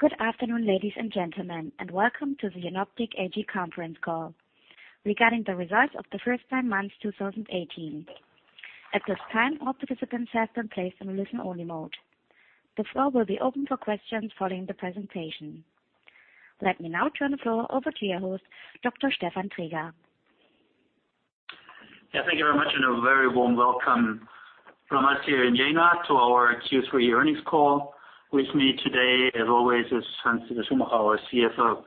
Good afternoon, ladies and gentlemen, and welcome to the Jenoptik AG conference call regarding the results of the first nine months 2018. At this time, all participants have been placed in a listen-only mode. The floor will be open for questions following the presentation. Let me now turn the floor over to your host, Dr. Stefan Traeger. Thank you very much and a very warm welcome from us here in Jena to our Q3 earnings call. With me today, as always, is Hans-Dieter Schumacher, our CFO.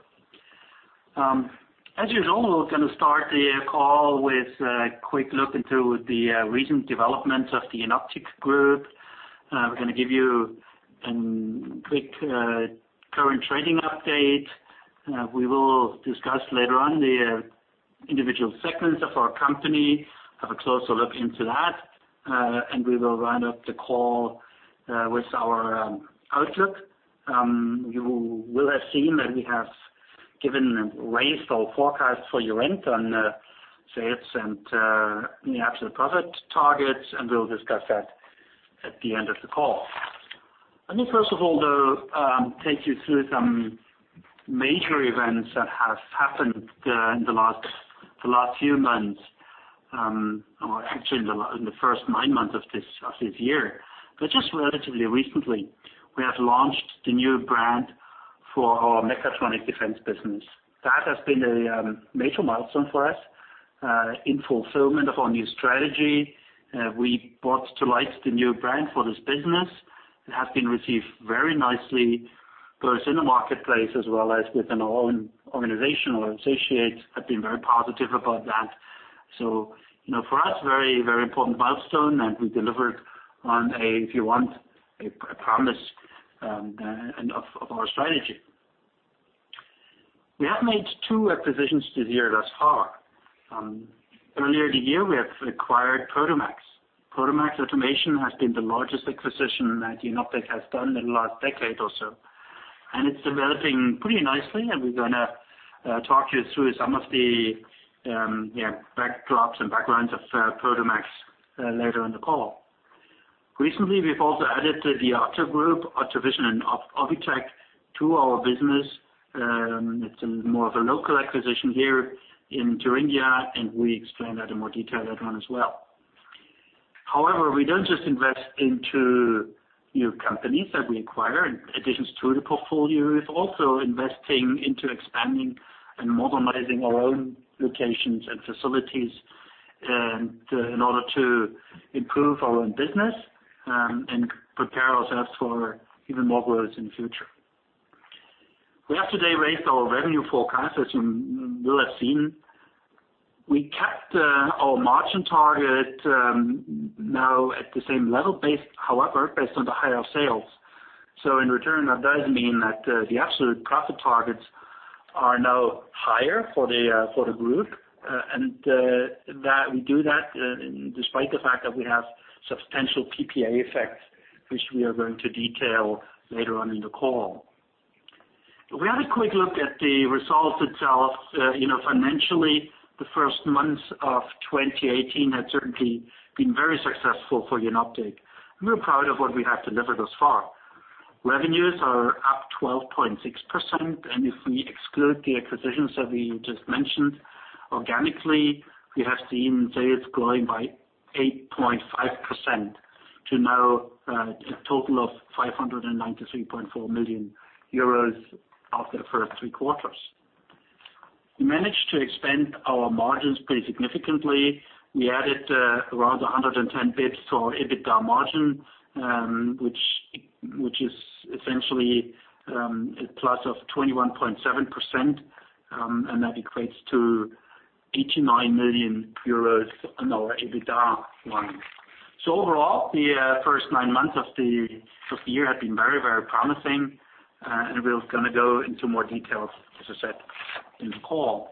As usual, we're going to start the call with a quick look into the recent developments of the Jenoptik Group. We're going to give you a quick current trading update. We will discuss later on the individual segments of our company, have a closer look into that, and we will round up the call with our outlook. You will have seen that we have raised our forecast for year-end on sales and the absolute profit targets, and we will discuss that at the end of the call. Let me first of all, though, take you through some major events that have happened in the last few months, or actually in the first nine months of this year. Just relatively recently, we have launched the new brand for our mechatronic defense business. That has been a major milestone for us. In fulfillment of our new strategy, we brought to light the new brand for this business. It has been received very nicely, both in the marketplace as well as within our own organization. Our associates have been very positive about that. For us, very, very important milestone, and we delivered on a, if you want, a promise of our strategy. We have made two acquisitions this year thus far. Earlier in the year, we have acquired Prodomax. Prodomax Automation has been the largest acquisition that Jenoptik has done in the last decade or so, and it's developing pretty nicely, and we're going to talk you through some of the backdrops and backgrounds of Prodomax later in the call. Recently, we've also added the OTTO Group, OTTO Vision Technology and OVITEC, to our business. It's more of a local acquisition here in Thuringia, and we explain that in more detail later on as well. We don't just invest into new companies that we acquire. In addition to the portfolio, we're also investing into expanding and modernizing our own locations and facilities in order to improve our own business and prepare ourselves for even more growth in the future. We have today raised our revenue forecast, as you will have seen. We kept our margin target now at the same level, based on the higher sales. In return, that does mean that the absolute profit targets are now higher for the group. We do that despite the fact that we have substantial PPA effects, which we are going to detail later on in the call. If we had a quick look at the results itself, financially, the first months of 2018 had certainly been very successful for Jenoptik. We're proud of what we have delivered thus far. Revenues are up 12.6%, and if we exclude the acquisitions that we just mentioned, organically, we have seen sales growing by 8.5% to now a total of 593.4 million euros after the first three quarters. We managed to expand our margins pretty significantly. We added around 110 basis points to our EBITDA margin, which is essentially a plus of 21.7%, and that equates to 89 million euros on our EBITDA line. Overall, the first nine months of the year have been very, very promising, and we're going to go into more details, as I said, in the call.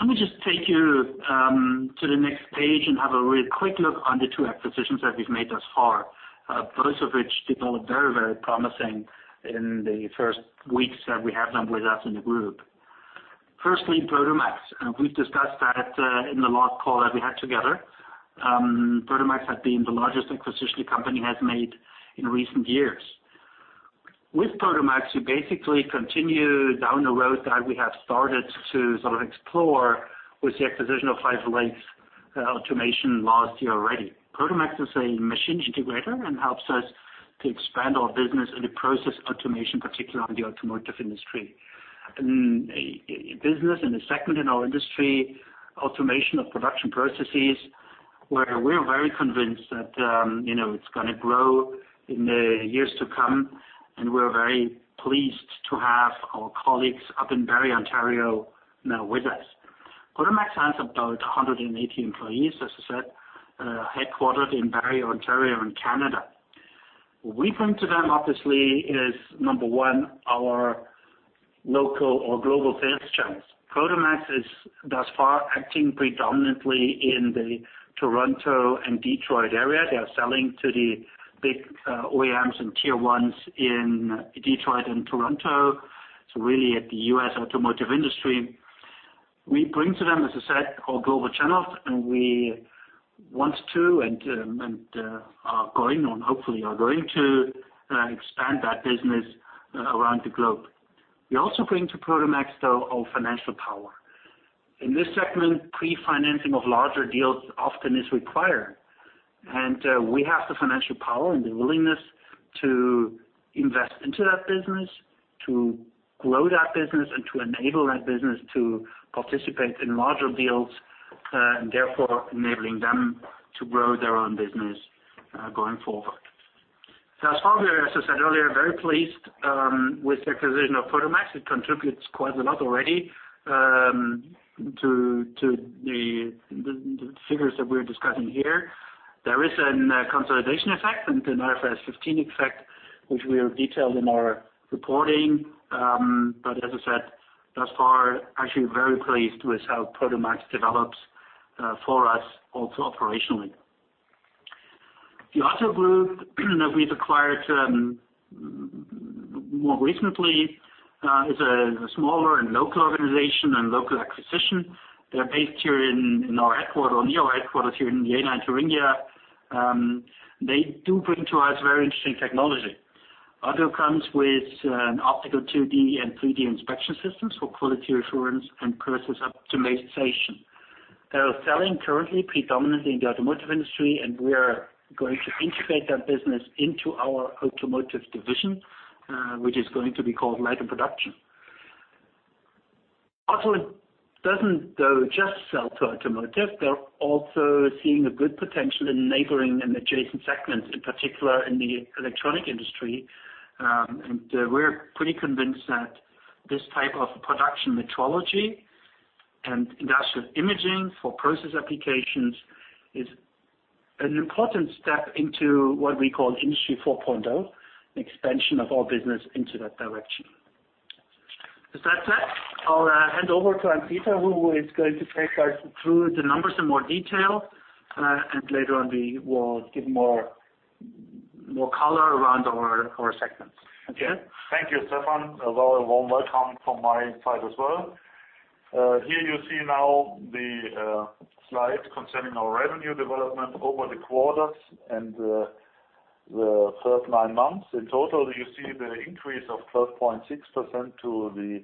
Let me just take you to the next page and have a real quick look on the two acquisitions that we've made thus far. Both of which developed very, very promising in the first weeks that we have them with us in the group. Firstly, Prodomax. We've discussed that in the last call that we had together. Prodomax has been the largest acquisition the company has made in recent years. With Prodomax, we basically continue down the road that we have started to sort of explore with the acquisition of Five Lakes Automation last year already. Prodomax is a machine integrator and helps us to expand our business in the process automation, particularly on the automotive industry. In a business, in a segment in our industry, automation of production processes, where we are very convinced that it's going to grow in the years to come, and we're very pleased to have our colleagues up in Barrie, Ontario now with us. Prodomax has about 180 employees, as I said, headquartered in Barrie, Ontario, in Canada. We bring to them, obviously, is number one, our local or global sales channels. Prodomax is thus far acting predominantly in the Toronto and Detroit area. They are selling to the big OEMs and Tier 1s in Detroit and Toronto, so really at the U.S. automotive industry. We bring to them, as I said, our global channels, and we want to and are going on, hopefully, are going to expand that business around the globe. We're also bringing to Prodomax, though, our financial power. In this segment, pre-financing of larger deals often is required. We have the financial power and the willingness to invest into that business, to grow that business and to enable that business to participate in larger deals, and therefore enabling them to grow their own business going forward. Thus far, as I said earlier, very pleased with the acquisition of Prodomax. It contributes quite a lot already to the figures that we're discussing here. There is a consolidation effect and an IFRS 15 effect, which we have detailed in our reporting. As I said, thus far, actually very pleased with how Prodomax develops for us also operationally. The OTTO Group that we've acquired more recently is a smaller and local organization and local acquisition. They're based here in our headquarter, or near our headquarters here in Jena and Thuringia. They do bring to us very interesting technology. Otto comes with an optical 2D and 3D inspection systems for quality assurance and process optimization. They are selling currently predominantly in the automotive industry, and we are going to integrate that business into our automotive division, which is going to be called Light & Production. Otto doesn't, though, just sell to automotive. They're also seeing a good potential in neighboring and adjacent segments, in particular in the electronic industry. We're pretty convinced that this type of production metrology and industrial imaging for process applications is an important step into what we call Industry 4.0, an expansion of our business into that direction. With that said, I'll hand over to Anton, who is going to take us through the numbers in more detail, and later on we will give more color around our segments. Anton? Thank you, Stefan. A very warm welcome from my side as well. Here you see now the slide concerning our revenue development over the quarters and the first nine months. In total, you see the increase of 12.6% to the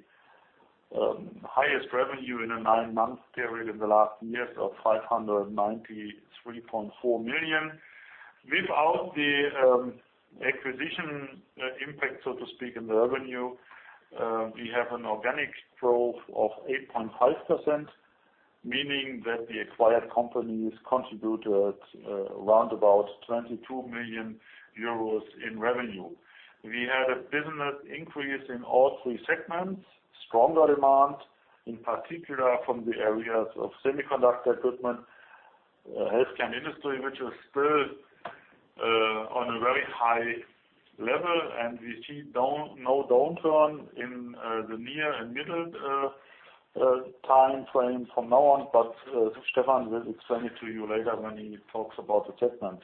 highest revenue in a nine-month period in the last years of 593.4 million. Without the acquisition impact, so to speak, in the revenue, we have an organic growth of 8.5%, meaning that the acquired companies contributed around about 22 million euros in revenue. We had a business increase in all three segments, stronger demand, in particular from the areas of semiconductor equipment, health care and industry, which is still on a very high level, and we see no downturn in the near and middle timeframe from now on. Stefan will explain it to you later when he talks about the segments.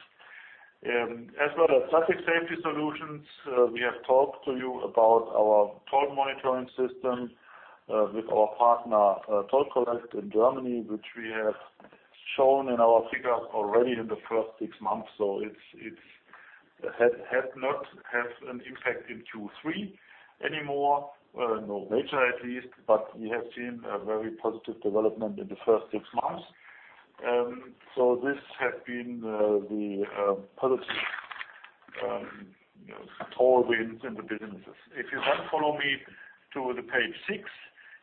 As well as Traffic Safety Solutions, we have talked to you about our toll monitoring system with our partner Toll Collect in Germany, which we have shown in our figures already in the first six months. It had not have an impact in Q3 anymore, no major at least, but we have seen a very positive development in the first six months. This has been the positive toll winds in the businesses. If you then follow me to the page six,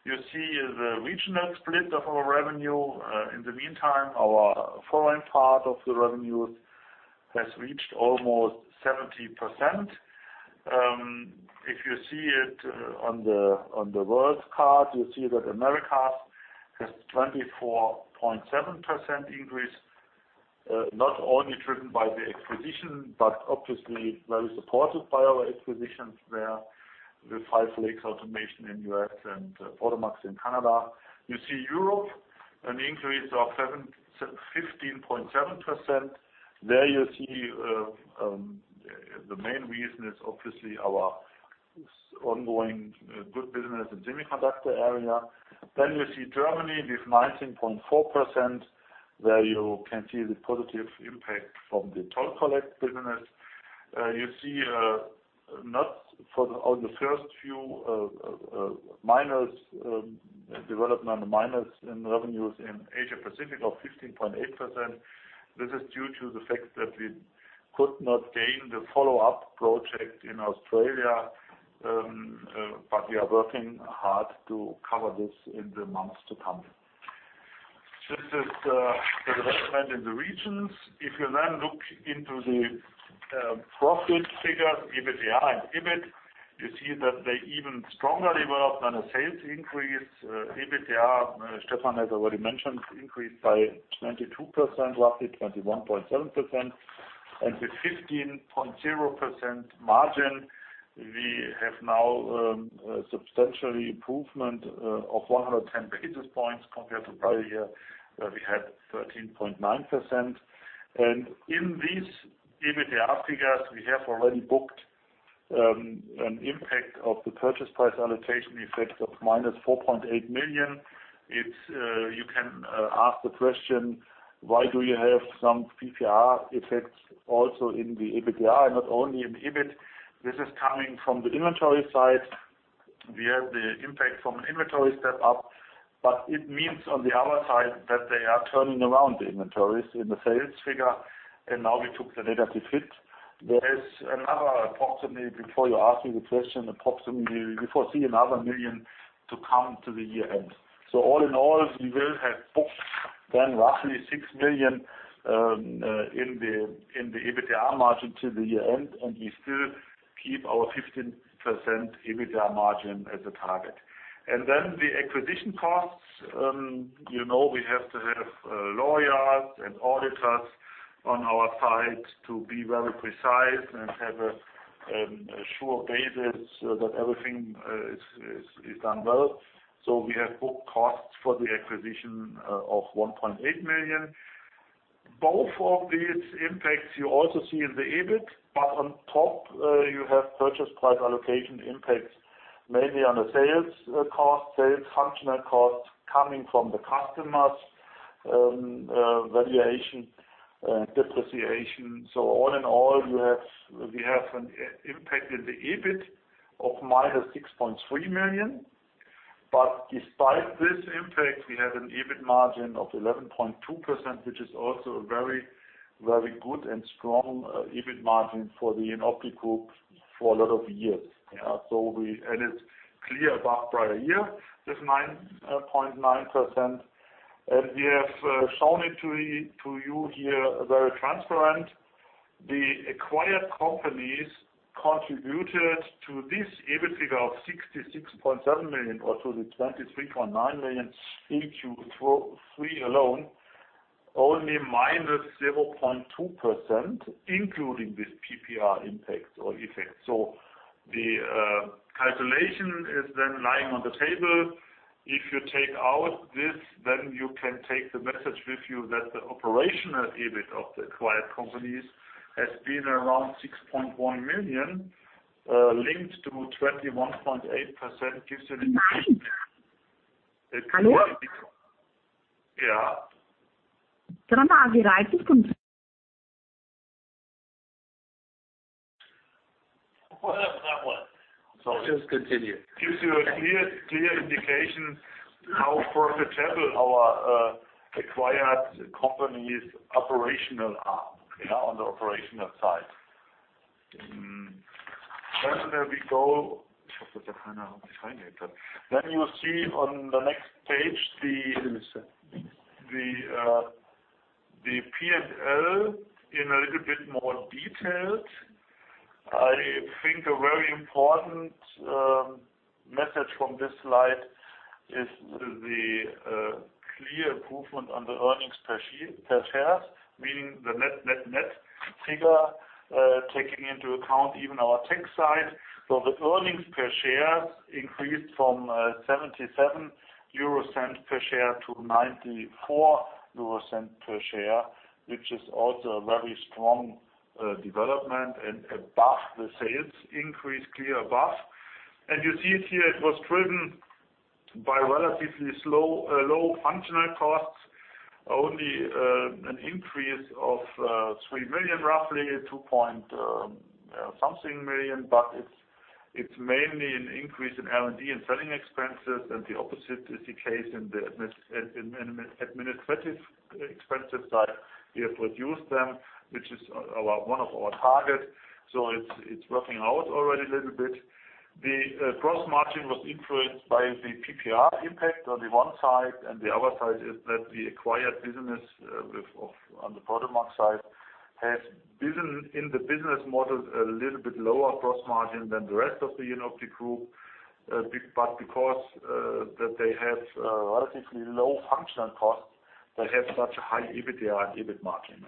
you see the regional split of our revenue. In the meantime, our foreign part of the revenue has reached almost 70%. If you see it on the world card, you see that Americas has 24.7% increase. Not only driven by the acquisition, but obviously very supported by our acquisitions there with Five Lakes Automation in U.S. and Prodomax in Canada. You see Europe, an increase of 15.7%. There you see the main reason is obviously our ongoing good business in semiconductor area. You see Germany with 19.4%, where you can see the positive impact from the Toll Collect business. You see, on the first few, minus development, minus in revenues in Asia Pacific of 15.8%. This is due to the fact that we could not gain the follow-up project in Australia, but we are working hard to cover this in the months to come. This is the development in the regions. If you then look into the profit figures, EBITDA and EBIT, you see that they even stronger developed on a sales increase. EBITDA, Stefan has already mentioned, increased by 22%, roughly 21.7%. With 15.0% margin, we have now a substantial improvement of 110 basis points compared to prior year, where we had 13.9%. In these EBITDA figures, we have already booked an impact of the Purchase Price Allocation effects of minus 4.8 million. You can ask the question, why do you have some PPA effects also in the EBITDA, not only in EBIT? This is coming from the inventory side. We have the impact from an inventory step up, but it means on the other side that they are turning around the inventories in the sales figure, and now we took the negative hit. There is another, approximately, before you ask me the question, approximately we foresee another 1 million to come to the year end. All in all, we will have booked then roughly 6 million in the EBITDA margin to the year end, and we still keep our 15% EBITDA margin as a target. Then the acquisition costs. We have to have lawyers and auditors on our side to be very precise and have a sure basis that everything is done well. We have booked costs for the acquisition of 1.8 million. Both of these impacts you also see in the EBIT, but on top, you have Purchase Price Allocation impacts, mainly on the sales cost, sales functional cost coming from the customers, valuation, depreciation. All in all, we have an impact in the EBIT of minus 6.3 million, but despite this impact, we have an EBIT margin of 11.2%, which is also a very, very good and strong EBIT margin for the Jenoptik Group for a lot of years. It's clear above prior year with 9.9%. We have shown it to you here very transparent. The acquired companies contributed to this EBIT figure of 66.7 million or to the 23.9 million in Q3 alone, only minus 0.2%, including this PPA impact or effect. The calculation is then lying on the table. If you take out this, then you can take the message with you that the operational EBIT of the acquired companies has been around 6.1 million, linked to 21.8% gives a- Hello? Yeah. What a fun one. Sorry. Just continue. Gives you a clear indication how profitable our acquired companies operational are on the operational side. You see on the next page the P&L in a little bit more detailed. I think a very important message from this slide is the clear improvement on the earnings per share, meaning the net figure, taking into account even our tax side. The earnings per share increased from 0.77 per share to 0.94 per share, which is also a very strong development and above the sales increase, clear above. You see it here, it was driven by relatively low functional costs, only an increase of 3 million, roughly EUR two-point-something million, but it's mainly an increase in R&D and selling expenses and the opposite is the case in the administrative expenses side. We have reduced them, which is one of our targets. It's working out already a little bit. The gross margin was influenced by the PPA impact on the one side, and the other side is that the acquired business on the Prodomax side has, in the business model, a little bit lower gross margin than the rest of the Jenoptik Group. Because they have relatively low functional costs, they have such a high EBITDA and EBIT margin.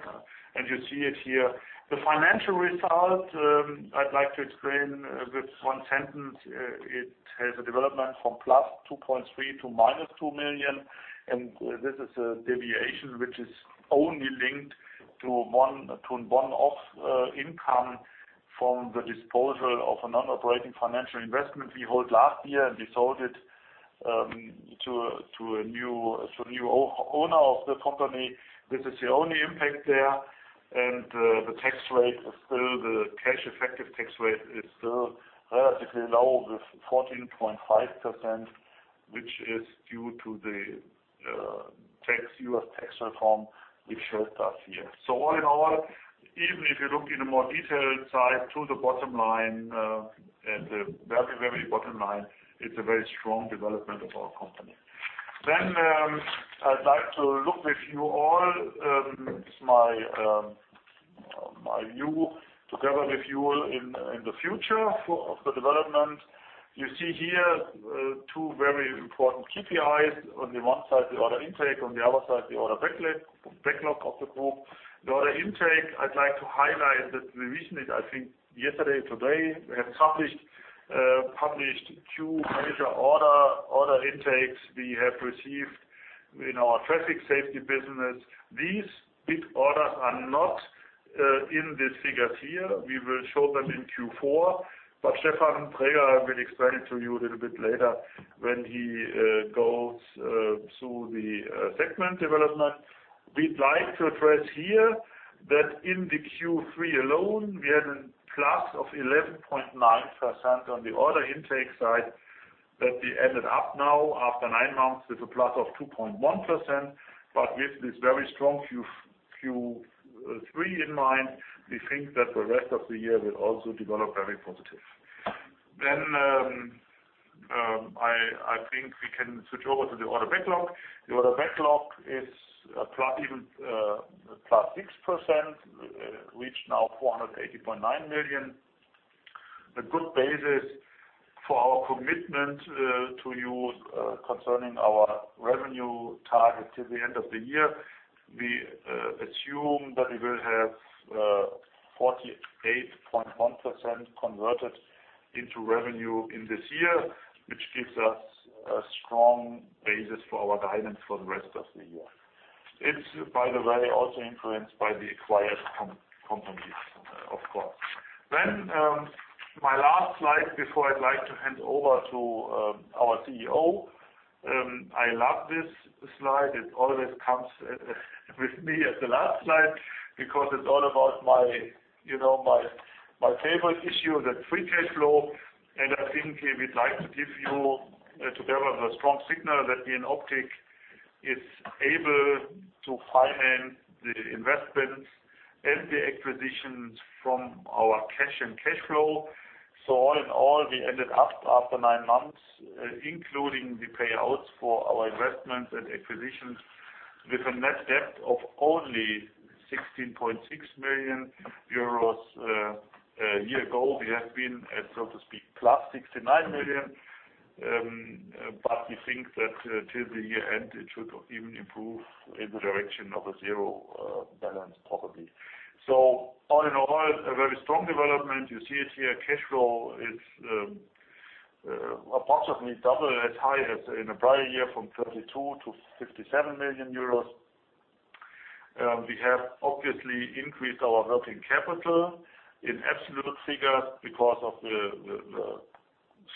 You see it here. The financial result, I'd like to explain with one sentence. It has a development from plus 2.3 million to minus 2 million, and this is a deviation which is only linked to one-off income from the disposal of a non-operating financial investment we hold last year, and we sold it to a new owner of the company. This is the only impact there, the cash effective tax rate is still relatively low with 14.5%, which is due to the U.S. tax reform, which helped us here. All in all, even if you look in a more detailed side to the bottom line, at the very bottom line, it's a very strong development of our company. I'd like to look with you all my view together with you in the future of the development. You see here two very important KPIs. On the one side, the order intake, on the other side, the order backlog of the group. The order intake, I'd like to highlight that recently, I think yesterday, today, we have published two major order intakes we have received in our Traffic Safety business. These big orders are not in the figures here. We will show them in Q4, Stefan Traeger will explain it to you a little bit later when he goes through the segment development. We'd like to address here that in the Q3 alone, we had a plus of 11.9% on the order intake side that we ended up now after nine months with a plus of 2.1%. With this very strong Q3 in mind, we think that the rest of the year will also develop very positive. I think we can switch over to the order backlog. The order backlog is a plus 6%, reached now 480.9 million. A good basis for our commitment to you concerning our revenue target till the end of the year. We assume that we will have 48.1% converted into revenue in this year, which gives us a strong basis for our guidance for the rest of the year. It's, by the way, also influenced by the acquired companies, of course. My last slide before I'd like to hand over to our CEO. I love this slide. It always comes with me as the last slide because it's all about my favorite issue, that free cash flow. I think we'd like to give you together a strong signal that Jenoptik is able to finance the investments and the acquisitions from our cash and cash flow. All in all, we ended up after nine months, including the payouts for our investments and acquisitions, with a net debt of only 16.6 million euros. A year ago, we have been at, so to speak, plus 69 million. We think that till the year end, it should even improve in the direction of a zero balance, probably. All in all, a very strong development. You see it here. Cash flow is approximately double as high as in the prior year from 32 million to 57 million euros. We have obviously increased our working capital in absolute figures because of the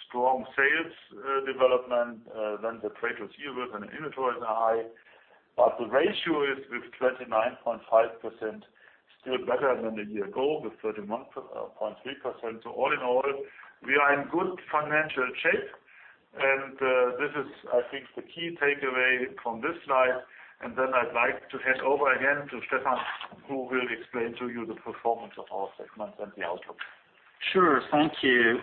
strong sales development. The trade receivables and inventories are high. The ratio is with 29.5% still better than the year ago with 31.3%. All in all, we are in good financial shape. This is, I think, the key takeaway from this slide. Then I'd like to hand over again to Stefan, who will explain to you the performance of our segments and the outlook. Sure. Thank you.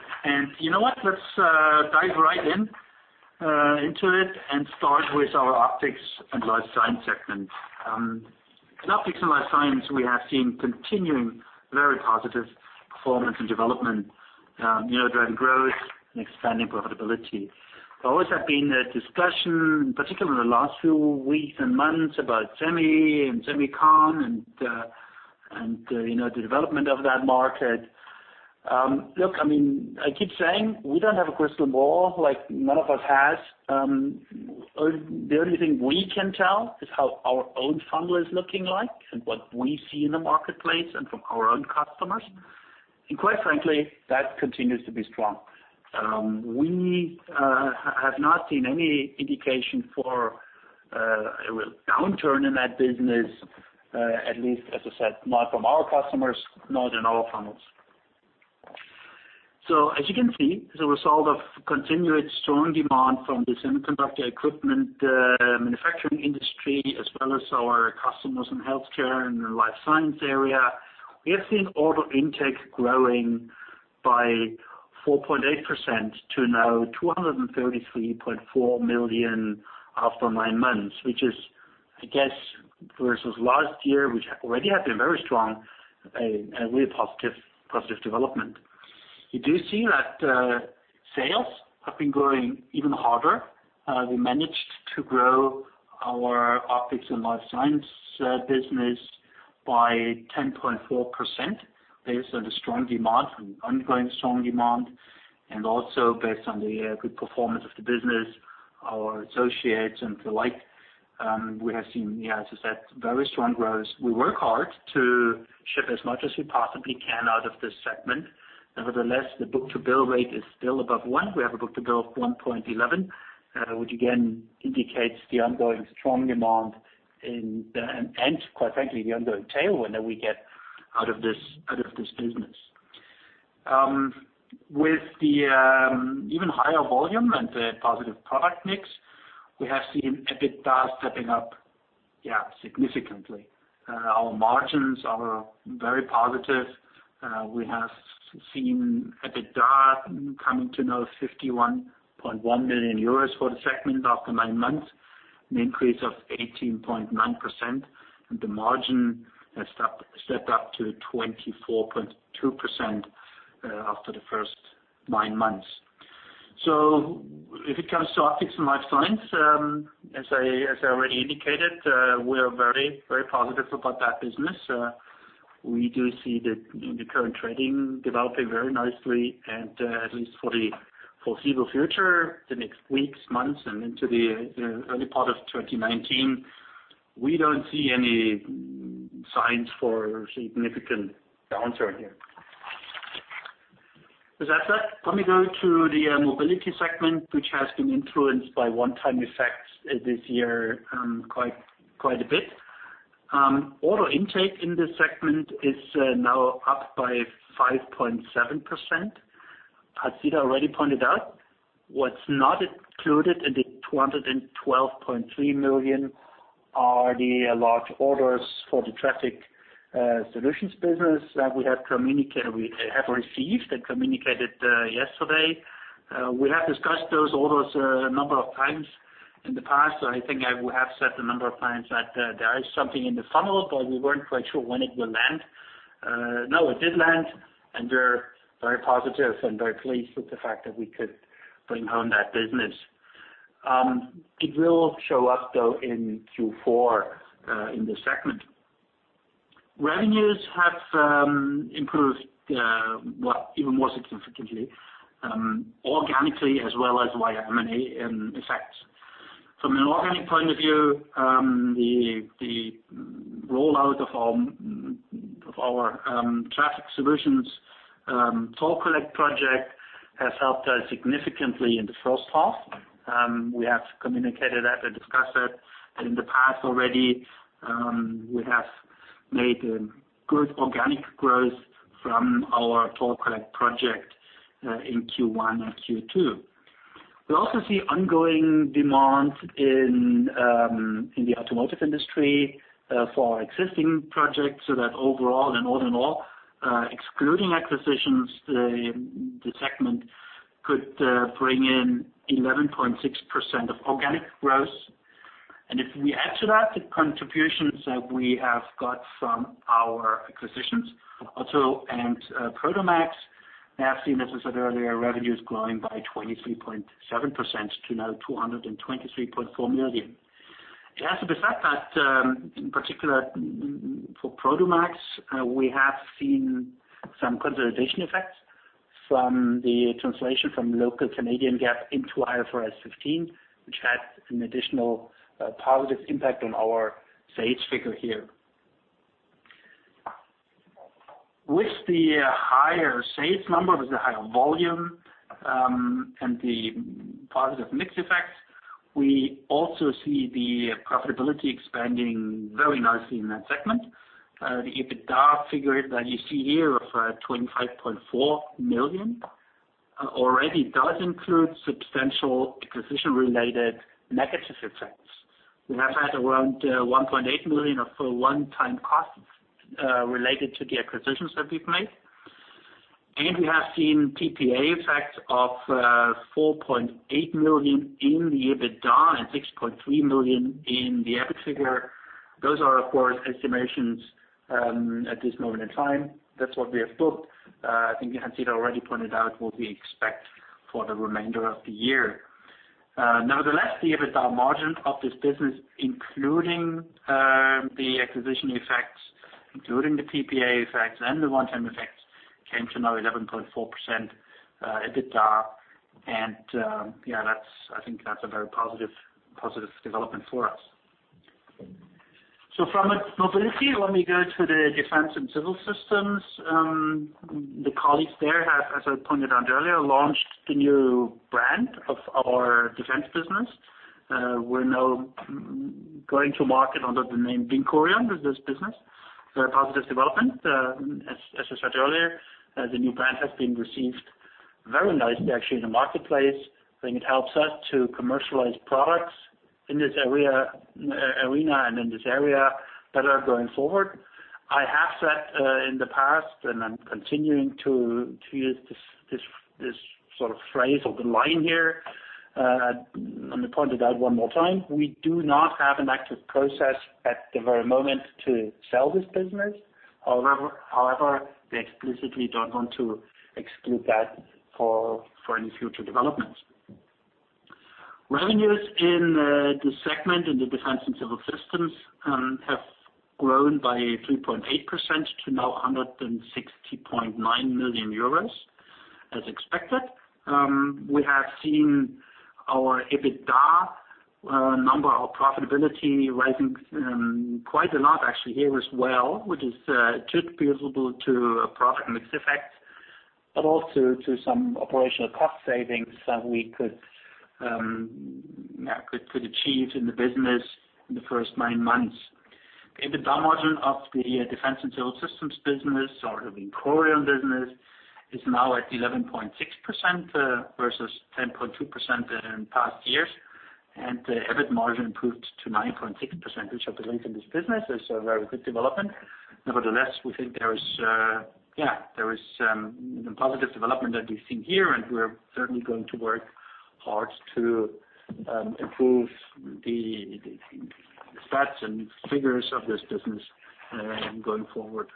You know what? Let's dive right in into it and start with our Light & Optics segment. In Light & Optics, we have seen continuing very positive performance and development, driving growth and expanding profitability. There always have been a discussion, particularly in the last few weeks and months about semi and SEMICON and the development of that market. I keep saying we don't have a crystal ball, none of us has. The only thing we can tell is how our own funnel is looking like and what we see in the marketplace and from our own customers. Quite frankly, that continues to be strong. We have not seen any indication for a real downturn in that business, at least, as I said, not from our customers, not in our funnels. As you can see, as a result of continued strong demand from the semiconductor equipment manufacturing industry, as well as our customers in healthcare and the life science area, we have seen order intake growing by 4.8% to now 233.4 million after nine months, which is, I guess, versus last year, which already had been very strong, a real positive development. You do see that sales have been growing even harder. We managed to grow our Optics & Life Science business by 10.4% based on the strong demand, ongoing strong demand, and also based on the good performance of the business, our associates and the like. We have seen, as I said, very strong growth. We work hard to ship as much as we possibly can out of this segment. Nevertheless, the book-to-bill rate is still above one. We have a book-to-bill of 1.11, which again indicates the ongoing strong demand and quite frankly, the ongoing tailwind that we get out of this business. With the even higher volume and the positive product mix, we have seen EBITDA stepping up significantly. Our margins are very positive. We have seen EBITDA coming to now 51.1 million euros for the segment after nine months, an increase of 18.9%, and the margin has stepped up to 24.2% after the first nine months. If it comes to Optics & Life Science, as I already indicated, we are very positive about that business. We do see the current trading developing very nicely and at least for the foreseeable future, the next weeks, months, and into the early part of 2019, we do not see any signs for a significant downturn here. With that said, let me go to the mobility segment, which has been influenced by one-time effects this year quite a bit. Order intake in this segment is now up by 5.7%. Hans-Dieter already pointed out what is not included in the 212.3 million are the large orders for the traffic solutions business that we have received and communicated yesterday. We have discussed those orders a number of times in the past, so I think I have said a number of times that there is something in the funnel, but we were not quite sure when it will land. Now it did land, and we are very positive and very pleased with the fact that we could bring home that business. It will show up, though, in Q4 in this segment. Revenues have improved even more significantly, organically as well as via M&A in effect. From an organic point of view, the rollout of our traffic solutions Toll Collect project has helped us significantly in the first half. We have communicated that and discussed that in the past already. We have made good organic growth from our Toll Collect project in Q1 and Q2. We also see ongoing demand in the automotive industry for our existing projects, so that overall and all in all, excluding acquisitions, the segment could bring in 11.6% of organic growth. If we add to that the contributions that we have got from our acquisitions, OTTO and Prodomax, have seen, as I said earlier, revenues growing by 23.7% to now 223.4 million. It has to be said that in particular for Prodomax, we have seen some consolidation effects from the translation from local Canadian GAAP into IFRS 15, which had an additional positive impact on our sales figure here. With the higher sales number, with the higher volume, and the positive mix effects, we also see the profitability expanding very nicely in that segment. The EBITDA figure that you see here of 25.4 million already does include substantial acquisition-related negative effects. We have had around 1.8 million of one-time costs related to the acquisitions that we have made. We have seen PPA effects of 4.8 million in the EBITDA and 6.3 million in the EBIT figure. Those are, of course, estimations at this moment in time. That is what we have booked. I think Hans-Dieter already pointed out what we expect for the remainder of the year. Nevertheless, the EBITDA margin of this business, including the acquisition effects, including the PPA effects and the one-time effects, came to now 11.4% EBITDA. I think that is a very positive development for us. From mobility, let me go to the defense and civil systems. The colleagues there have, as I pointed out earlier, launched the new brand of our defense business. We are now going to market under the name Vincorion with this business. Very positive development. As I said earlier, the new brand has been received very nicely, actually, in the marketplace. I think it helps us to commercialize products in this arena and in this area better going forward. I have said in the past, and I am continuing to use this sort of phrase or the line here, let me point it out one more time. We do not have an active process at the very moment to sell this business. However, we explicitly do not want to exclude that for any future developments. Revenues in the segment, in the defense and civil systems, have grown by 3.8% to now 160.9 million euros, as expected. We have seen our EBITDA number, our profitability, rising quite a lot actually here as well, which is attributable to a profit mix effect, but also to some operational cost savings that we could achieve in the business in the first nine months. EBITDA margin of the defense and civil systems business or the Vincorion business is now at 11.6% versus 10.2% in past years, and the EBIT margin improved to 9.6%, which I believe in this business is a very good development. Nevertheless, we think there is a positive development that we have seen here, and we are certainly going to work hard to improve the stats and figures of this business going forward.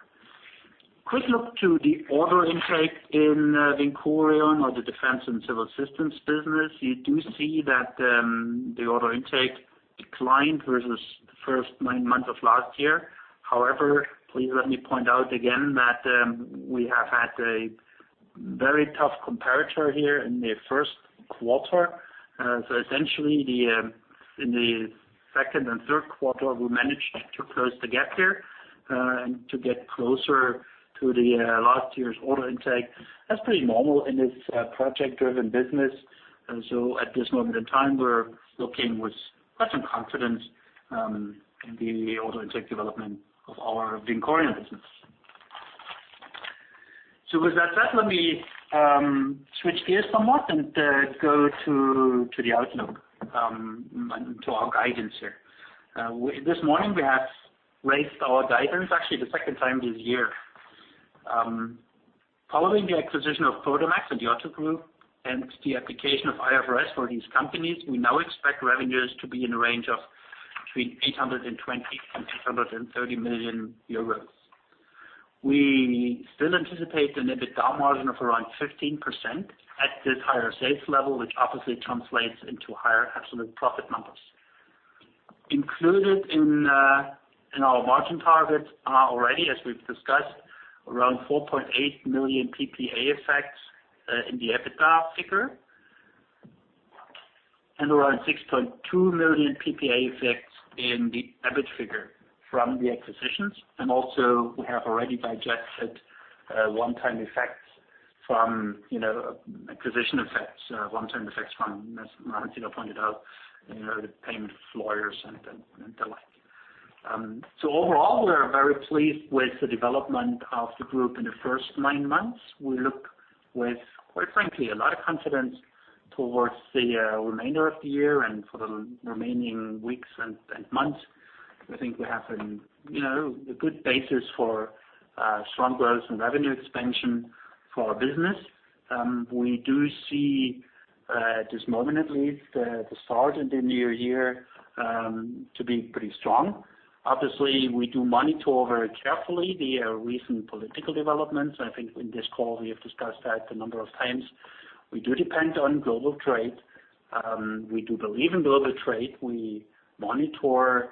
Quick look to the order intake in Vincorion or the defense and civil systems business. You do see that the order intake declined versus the first nine months of last year. Please let me point out again that we have had a very tough comparator here in the first quarter. Essentially, in the second and third quarter, we managed to close the gap here and to get closer to the last year's order intake. That is pretty normal in this project-driven business. At this moment in time, we are looking with quite some confidence in the order intake development of our Vincorion business. With that said, let me switch gears somewhat and go to the outlook, to our guidance here. This morning, we have raised our guidance, actually the second time this year. Following the acquisition of Prodomax and the OTTO Group and the application of IFRS for these companies, we now expect revenues to be in a range of between 820 million euros and EUR 830 million. We still anticipate an EBITDA margin of around 15% at this higher sales level, which obviously translates into higher absolute profit numbers. Included in our margin targets are already, as we've discussed, around 4.8 million PPA effects in the EBITDA figure and around 6.2 million PPA effects in the EBIT figure from the acquisitions. We have already digested one-time effects from acquisition effects, as Martino pointed out, the payment of lawyers and the like. Overall, we are very pleased with the development of the group in the first nine months. We look with, quite frankly, a lot of confidence towards the remainder of the year and for the remaining weeks and months. We have a good basis for strong growth and revenue expansion for our business. We do see, at this moment at least, the start in the new year to be pretty strong. We do monitor very carefully the recent political developments. In this call we have discussed that a number of times. We do depend on global trade. We do believe in global trade. We monitor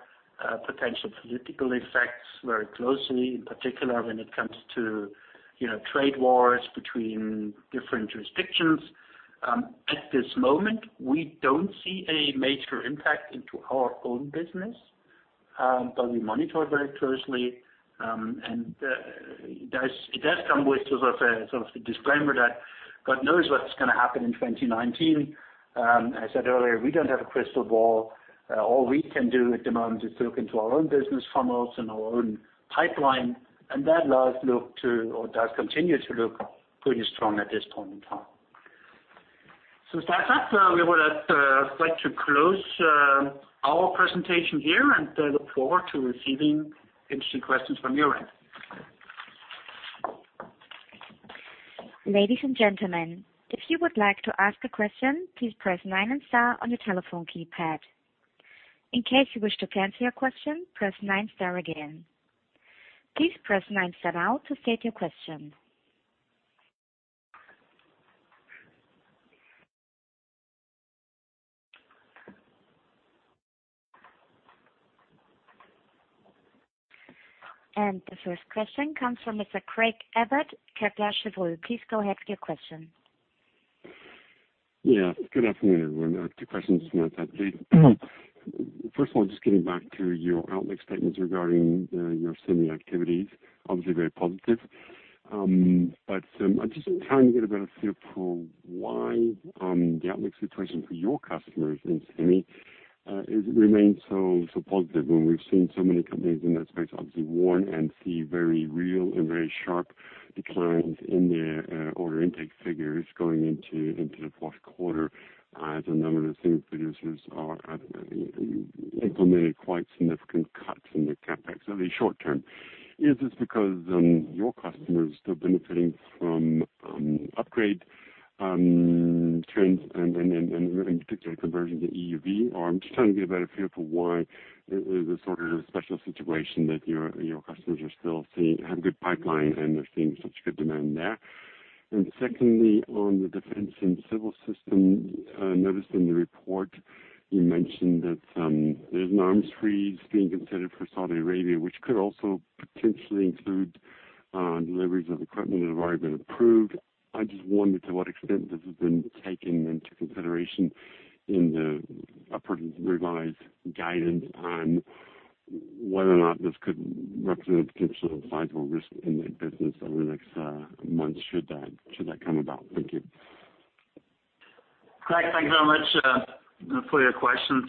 potential political effects very closely, in particular when it comes to trade wars between different jurisdictions. At this moment, we don't see a major impact into our own business, but we monitor it very closely. It does come with sort of a disclaimer that who knows what's going to happen in 2019. I said earlier, we don't have a crystal ball. All we can do at the moment is look into our own business funnels and our own pipeline, and that does continue to look pretty strong at this point in time. With that said, we would like to close our presentation here and look forward to receiving interesting questions from your end. Ladies and gentlemen, if you would like to ask a question, please press nine and star on your telephone keypad. In case you wish to cancel your question, press nine star again. Please press nine star now to state your question. The first question comes from Mr. Craig Abbott, Jefferies. Please go ahead with your question. Yeah. Good afternoon, everyone. I have two questions, if I may. First of all, just getting back to your outlook statements regarding your semi activities, obviously very positive. I'm just trying to get a better feel for why the outlook situation for your customers in semi remains so positive when we've seen so many companies in that space obviously warn and see very real and very sharp declines in their order intake figures going into the fourth quarter, as a number of the same producers have implemented quite significant cuts in their CapEx over the short term. Is this because your customers are still benefiting from upgrade trends and in particular conversion to EUV? I'm just trying to get a better feel for why there is a sort of special situation that your customers are still seeing, have good pipeline and are seeing such good demand there. Secondly, on the defense and civil system, I noticed in the report you mentioned that there is an arms freeze being considered for Saudi Arabia, which could also potentially include deliveries of equipment that have already been approved. I just wondered to what extent this has been taken into consideration in the revised guidance on whether or not this could represent a potential sizable risk in that business over the next months should that come about. Thank you. Craig, thank you very much for your questions.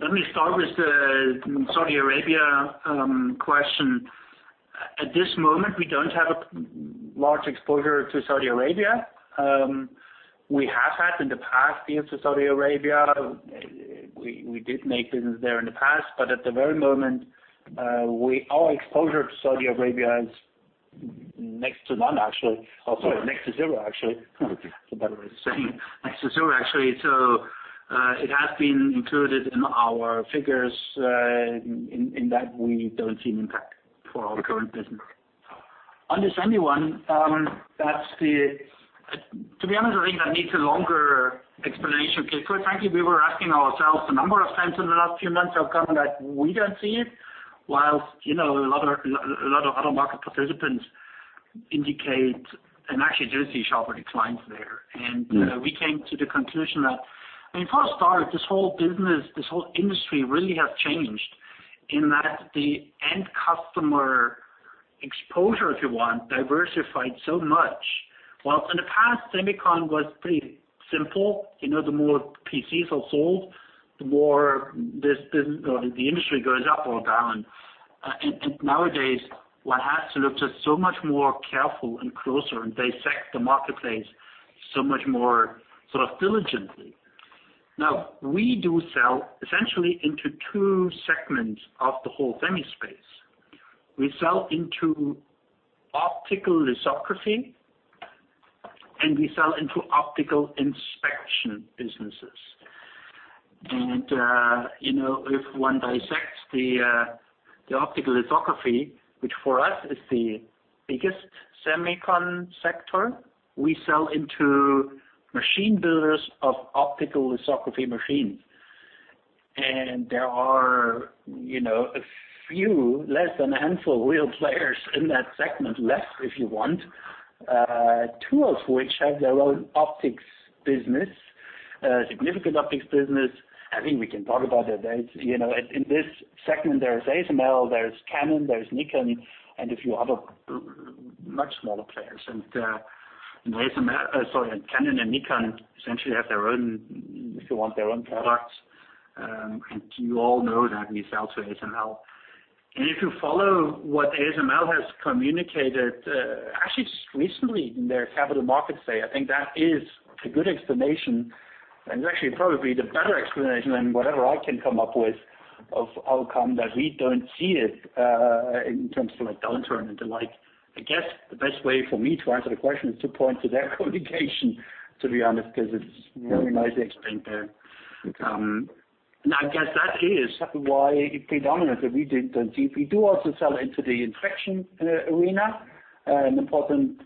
Let me start with the Saudi Arabia question. At this moment, we don't have a large exposure to Saudi Arabia. We have had in the past deals with Saudi Arabia. We did make business there in the past, at the very moment, our exposure to Saudi Arabia is next to none, actually. Sorry, next to zero, actually. It's a better way of saying it. Next to zero, actually. It has been included in our figures, in that we don't see an impact for our current business. On the semi one, to be honest with you, that needs a longer explanation, because quite frankly, we were asking ourselves a number of times in the last few months how come that we don't see it, whilst a lot of other market participants indicate and actually do see sharper declines there. We came to the conclusion that, for a start, this whole business, this whole industry really has changed in that the end customer exposure, if you want, diversified so much. Whilst in the past, semicon was pretty simple, the more PCs are sold, the more the industry goes up or down. Nowadays, one has to look just so much more careful and closer, and dissect the marketplace so much more diligently. We do sell essentially into two segments of the whole semi space. We sell into optical lithography, and we sell into optical inspection businesses. If one dissects the optical lithography, which for us is the biggest semicon sector, we sell into machine builders of optical lithography machines. There are a few, less than a handful of real players in that segment left, if you want, two of which have their own optics business, a significant optics business. I think we can talk about these days. In this segment, there is ASML, there is Canon, there is Nikon, and a few other much smaller players. Canon and Nikon essentially have their own, if you want, their own products. You all know that we sell to ASML. If you follow what ASML has communicated, actually just recently in their capital markets day, I think that is a good explanation. Actually probably the better explanation than whatever I can come up with of how come that we don't see it in terms of a downturn and the like. I guess the best way for me to answer the question is to point to their communication, to be honest, because it's very nicely explained there. Okay. I guess that is why it predominates that we don't see it. We do also sell into the inspection arena, an important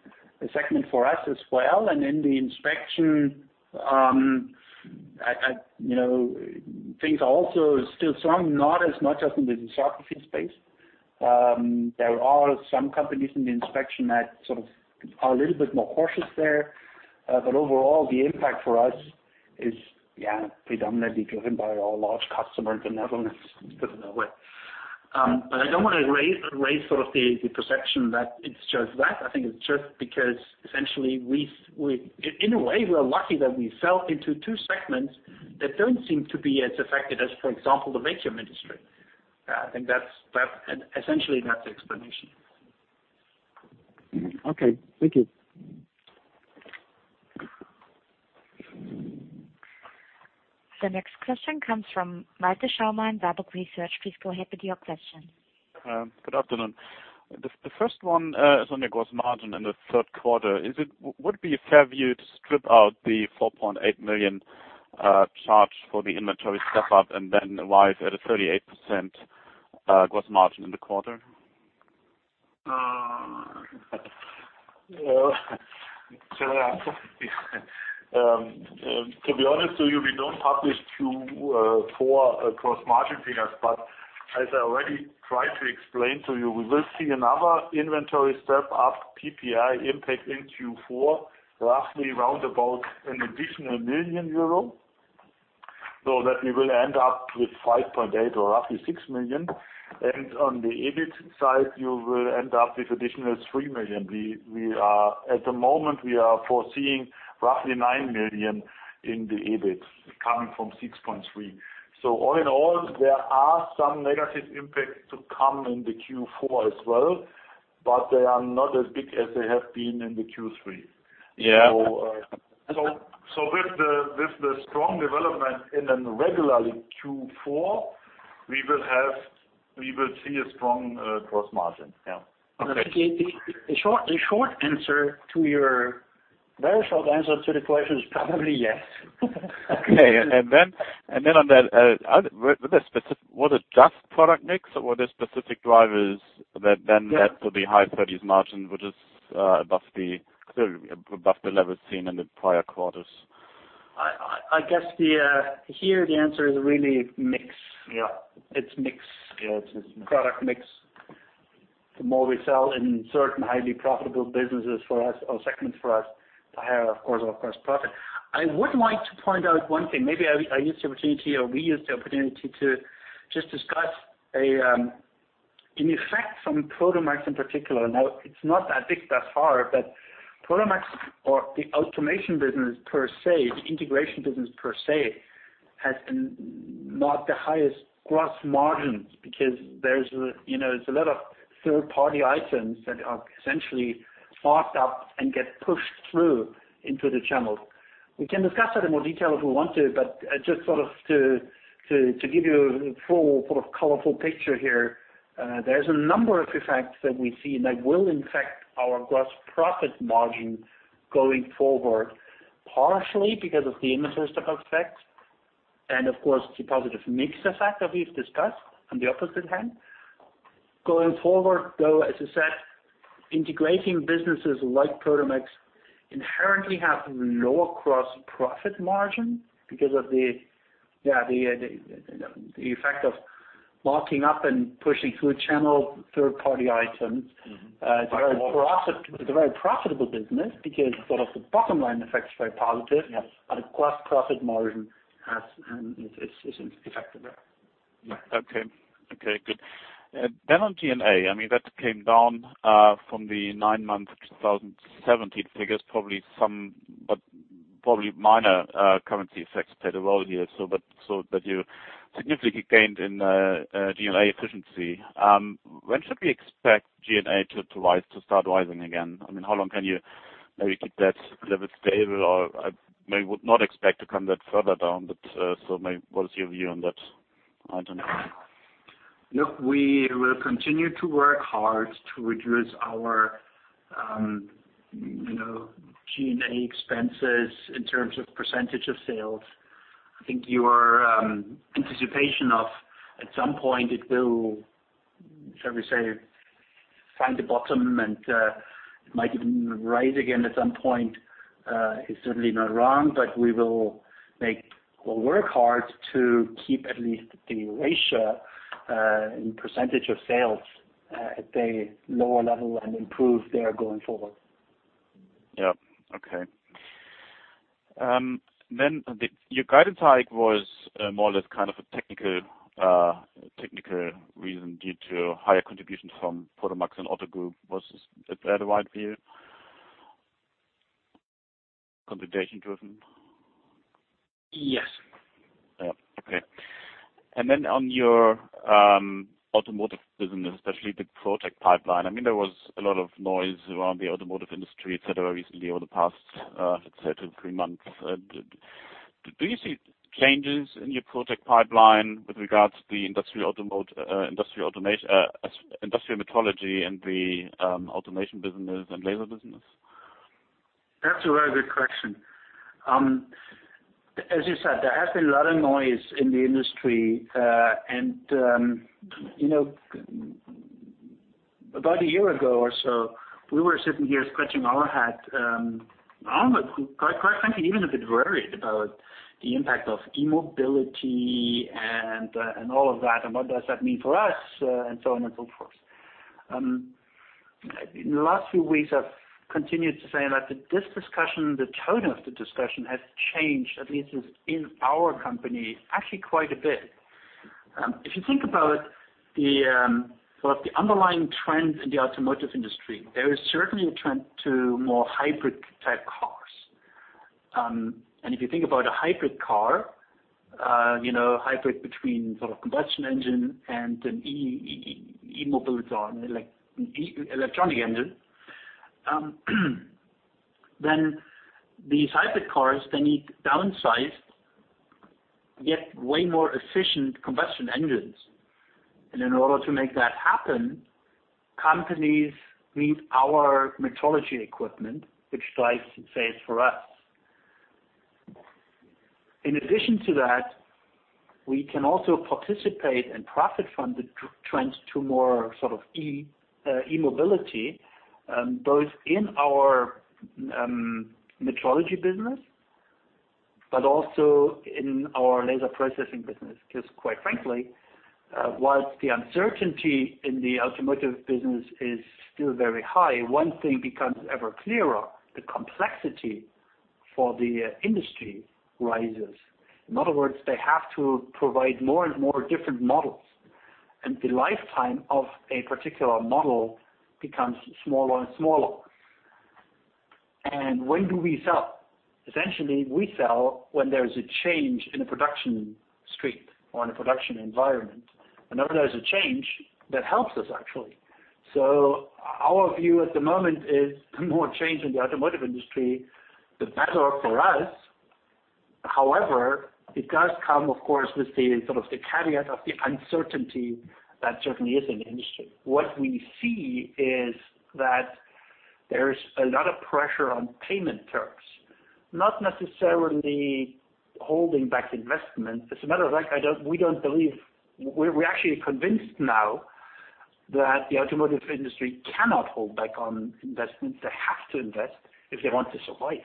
segment for us as well. In the inspection, things are also still strong, not as much as in the lithography space. There are some companies in the inspection that sort of are a little bit more cautious there. Overall, the impact for us is predominantly driven by our large customer in the Netherlands. I don't want to raise sort of the perception that it's just that. I think it's just because essentially, in a way, we're lucky that we sell into two segments that don't seem to be as affected as, for example, the vacuum industry. I think essentially, that's the explanation. Okay. Thank you. The next question comes from Malte Schaumann, Warburg Research. Please go ahead with your question. Good afternoon. The first one is on your gross margin in the third quarter. Would it be a fair view to strip out the 4.8 million charge for the inventory step-up and then arrive at a 38% gross margin in the quarter? To be honest with you, we don't publish too poor gross margin figures. As I already tried to explain to you, we will see another inventory step-up PPA impact in Q4, roughly roundabout an additional 1 million euro, so that we will end up with 5.8 or roughly 6 million. On the EBIT side, you will end up with additional 3 million. At the moment, we are foreseeing roughly 9 million in the EBIT, coming from 6.3. All in all, there are some negative impacts to come in the Q4 as well, but they are not as big as they have been in the Q3. Yeah. With the strong development in a regular Q4, we will see a strong gross margin. Yeah. A very short answer to the question is probably yes. Okay. Then on that, was it just product mix, or were there specific drivers that then led to the high thirties margin, which is clearly above the level seen in the prior quarters? I guess here the answer is really mix. Yeah. It's mix. It's product mix. The more we sell in certain highly profitable businesses for us or segments for us, the higher, of course, our gross profit. I would like to point out one thing. Maybe I use the opportunity, or we use the opportunity to just discuss an effect from Prodomax in particular. It's not that big thus far, but Prodomax or the automation business per se, the integration business per se, has not the highest gross margins because there's a lot of third-party items that are essentially marked up and get pushed through into the channels. We can discuss that in more detail if we want to, but just to give you a full colorful picture here, there's a number of effects that we see that will impact our gross profit margin going forward, partially because of the dilutive effect, and of course, the positive mix effect that we've discussed on the opposite hand. Going forward, though, as I said, integrating businesses like Prodomax inherently have lower gross profit margin because of the effect of marking up and pushing through a channel third-party items. It's a very profitable business because the bottom line effect is very positive. Yes. Gross profit margin isn't affected there. Okay, good. On G&A, that came down from the nine months 2017 figures, probably minor currency effects played a role here, but you significantly gained in G&A efficiency. When should we expect G&A to start rising again? How long can you maybe keep that level stable, or I maybe would not expect to come that further down, so what is your view on that item? Look, we will continue to work hard to reduce our G&A expenses in terms of % of sales. I think your anticipation of, at some point it will, shall we say, find a bottom and it might even rise again at some point, is certainly not wrong. We will work hard to keep at least the ratio in % of sales at a lower level and improve there going forward. Yeah. Okay. Your guidance hike was more or less a technical reason due to higher contributions from Prodomax and OTTO Group. Is that the right view? Consolidation driven? Yes. Yeah. Okay. On your automotive business, especially the project pipeline, there was a lot of noise around the automotive industry, et cetera, recently over the past, let's say two, three months. Do you see changes in your project pipeline with regards to the industrial metrology and the automation business and laser business? That's a very good question. As you said, there has been a lot of noise in the industry. About a year ago or so, we were sitting here scratching our head, quite frankly, even a bit worried about the impact of e-mobility and all of that, and what does that mean for us, and so on and so forth. In the last few weeks, I've continued to say that this discussion, the tone of the discussion has changed, at least in our company, actually quite a bit. If you think about the underlying trends in the automotive industry, there is certainly a trend to more hybrid-type cars. If you think about a hybrid car, hybrid between combustion engine and an e-mobile or electronic engine, then these hybrid cars, they need downsized, yet way more efficient combustion engines. In order to make that happen, companies need our metrology equipment, which drives sales for us. In addition to that, we can also participate and profit from the trends to more e-mobility, both in our metrology business, but also in our laser processing business, because quite frankly, whilst the uncertainty in the automotive business is still very high, one thing becomes ever clearer, the complexity for the industry rises. In other words, they have to provide more and more different models, and the lifetime of a particular model becomes smaller and smaller. When do we sell? Essentially, we sell when there's a change in the production street or in the production environment. Whenever there's a change, that helps us actually. Our view at the moment is the more change in the automotive industry, the better for us. However, it does come, of course, with the caveat of the uncertainty that certainly is in the industry. What we see is that there's a lot of pressure on payment terms, not necessarily holding back investment. As a matter of fact, we're actually convinced now that the automotive industry cannot hold back on investments. They have to invest if they want to survive.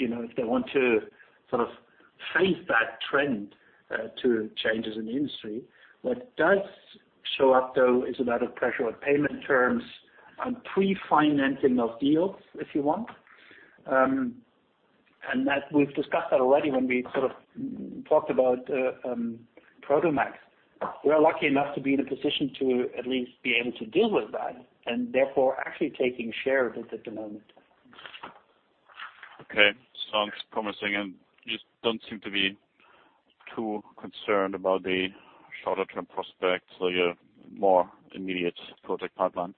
If they want to face that trend to changes in the industry. What does show up, though, is a lot of pressure on payment terms, on pre-financing of deals, if you want. That we've discussed that already when we talked about Prodomax. We are lucky enough to be in a position to at least be able to deal with that, and therefore actually taking share of it at the moment. Okay. Sounds promising, you just don't seem to be too concerned about the shorter-term prospects or your more immediate project pipeline.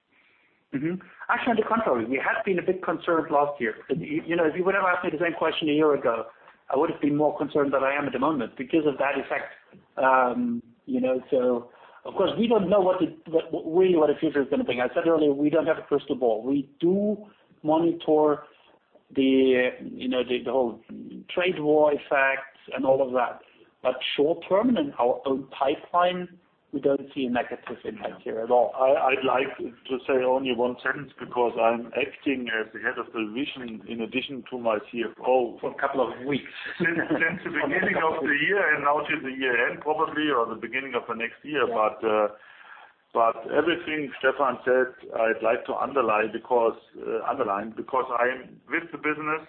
Actually, on the contrary, we have been a bit concerned last year. If you would have asked me the same question a year ago, I would've been more concerned than I am at the moment because of that effect. Of course, we don't know really what the future is going to bring. I said earlier, we don't have a crystal ball. We do monitor the whole trade war effects and all of that, but short-term in our own pipeline, we don't see a negative impact here at all. I'd like to say only one sentence because I'm acting as the head of the division in addition to my CFO. For a couple of weeks. Since the beginning of the year and now to the year-end, probably, or the beginning of the next year. Everything Stefan said, I'd like to underline because I am with the business,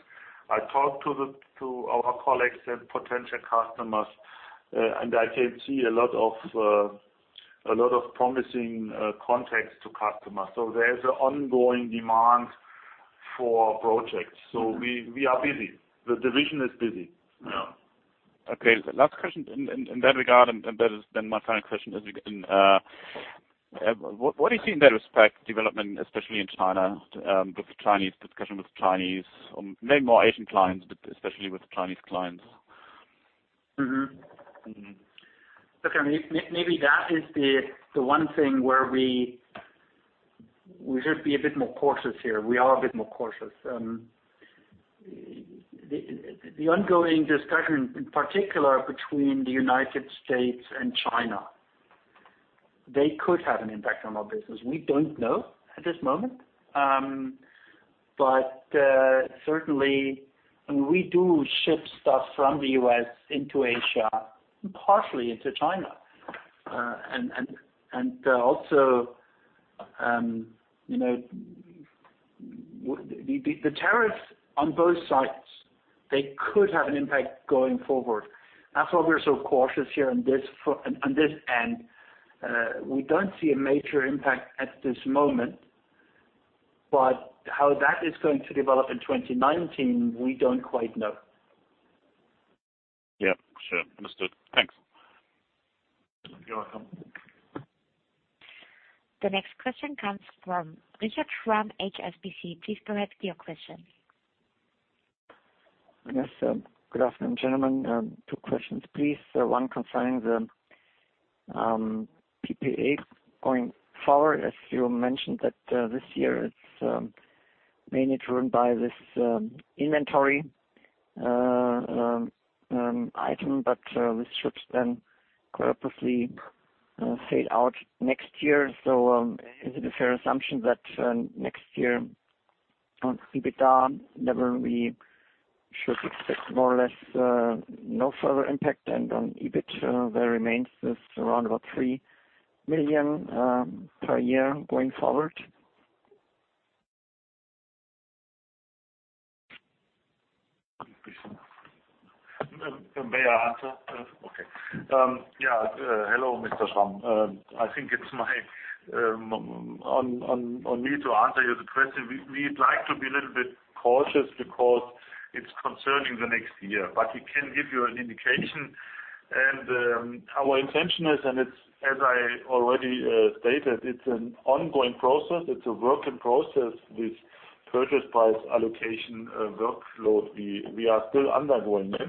I talk to our colleagues and potential customers, and I can see a lot of promising contacts to customers. There's an ongoing demand for projects. We are busy. The division is busy. Yeah. Okay. Last question in that regard, that is then my final question is again, what do you see in that respect development, especially in China, discussion with Chinese, maybe more Asian clients, especially with Chinese clients? Mm-hmm. Okay. Maybe that is the one thing where we should be a bit more cautious here. We are a bit more cautious. The ongoing discussion, in particular between the United States and China, they could have an impact on our business. We don't know at this moment. Certainly, we do ship stuff from the U.S. into Asia, partially into China. Also, the tariffs on both sides, they could have an impact going forward. That's why we're so cautious here on this end. We don't see a major impact at this moment, but how that is going to develop in 2019, we don't quite know. Yeah, sure. Understood. Thanks. You're welcome. The next question comes from Richard Schwam, HSBC. Please go ahead with your question. Good afternoon, gentlemen. Two questions, please. One concerning the PPA going forward. As you mentioned that this year it's mainly driven by this inventory item, but this should then purposely fade out next year. Is it a fair assumption that next year on EBITDA, never we should expect more or less no further impact and on EBIT, there remains this around about 3 million per year going forward? May I answer? Okay. Hello, Mr. Schwam. I think it's on me to answer your question. We'd like to be a little bit cautious because it's concerning the next year, but we can give you an indication. Our intention is, and as I already stated, it's an ongoing process. It's a work in process. This purchase price allocation workflow, we are still undergoing it.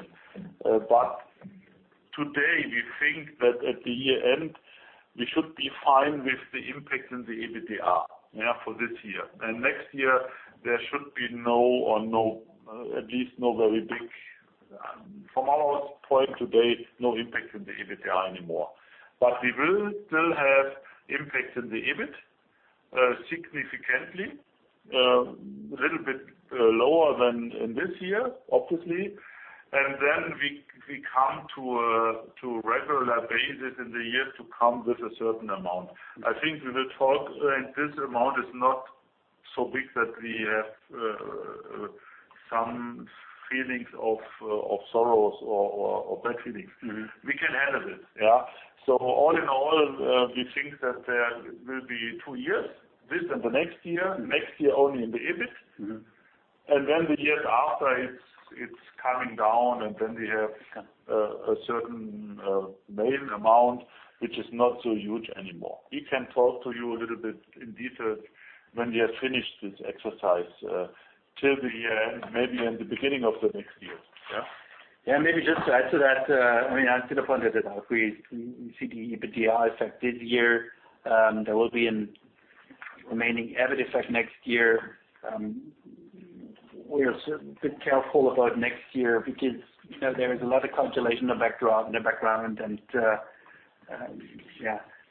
Today we think that at the year-end, we should be fine with the impact in the EBITDA for this year. Next year there should be no or at least no impact in the EBITDA anymore. We will still have impact in the EBIT, significantly. A little bit lower than in this year, obviously. We come to a regular basis in the years to come with a certain amount. I think we will talk and this amount is not so big that we have some feelings of sorrows or bad feelings. We can handle it. All in all, we think that there will be two years, this and the next year. Next year only in the EBIT. The years after it's coming down, and then we have a certain main amount, which is not so huge anymore. He can talk to you a little bit in detail when we have finished this exercise till the end, maybe in the beginning of the next year. Maybe just to add to that, let me answer the point that if we see the EBITDA effect this year, there will be a remaining EBIT effect next year. We are a bit careful about next year because there is a lot of calculation in the background and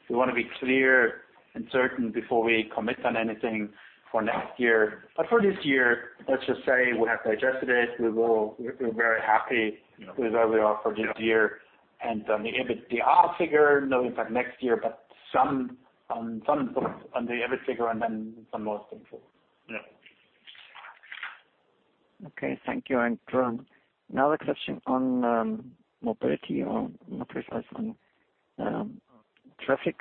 we want to be clear and certain before we commit on anything for next year. For this year, let's just say we have digested it. We're very happy with where we are for this year and on the EBITDA figure, no impact next year, but some on the EBIT figure and then some more simple. Yeah. Okay. Thank you. Another question on mobility or not precise on traffic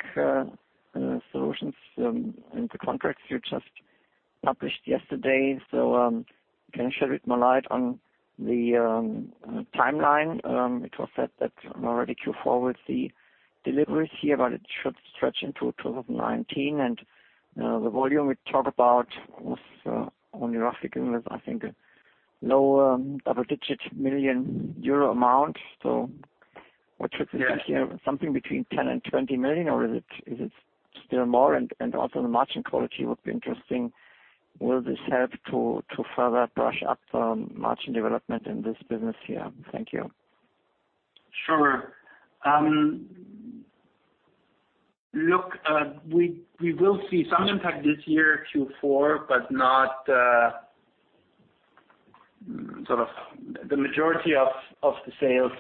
solutions and the contracts you just published yesterday. Can you shed more light on the timeline? It was said that already Q4 with the deliveries here, but it should stretch into 2019. The volume we talked about was only roughly, I think, a low double-digit million EUR amount. What should we think here? Something between 10 million and 20 million, or is it still more? Also the margin quality would be interesting. Will this help to further brush up on margin development in this business here? Thank you. Sure. Look, we will see some impact this year, Q4, but the majority of the sales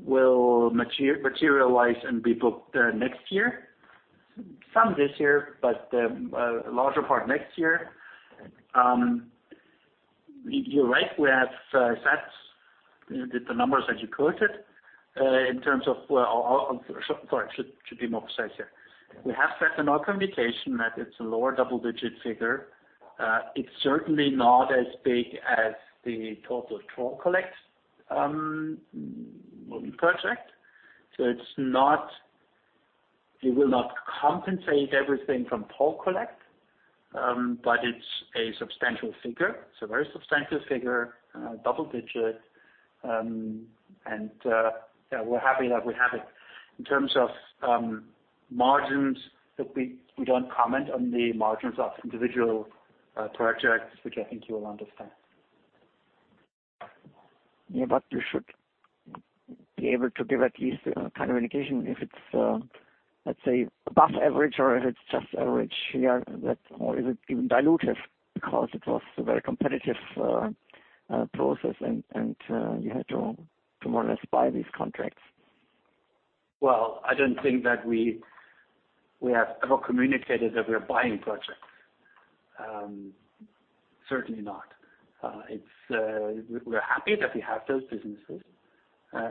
will materialize and be booked next year. Some this year, but the larger part next year. You're right, we have said the numbers that you quoted in terms of Sorry, I should be more precise here. We have said in our communication that it's a lower double-digit figure. It's certainly not as big as the total Toll Collect project. It will not compensate everything from Toll Collect, but it's a substantial figure. It's a very substantial figure, double digit. We're happy that we have it. In terms of margins, we don't comment on the margins of individual projects, which I think you will understand. Yeah, you should be able to give at least a kind of indication if it's, let's say above average or if it's just average here. Is it even dilutive because it was a very competitive process and you had to more or less buy these contracts. Well, I don't think that we have ever communicated that we are buying projects. Certainly not. We're happy that we have those businesses.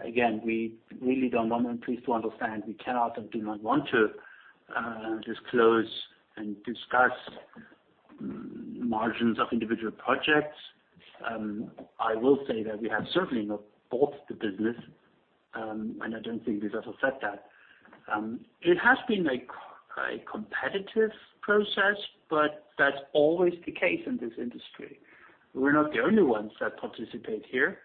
Again, we really do not want to disclose and discuss margins of individual projects. I will say that we have certainly not bought the business. I don't think we've ever said that. It has been a competitive process, that's always the case in this industry. We're not the only ones that participate here.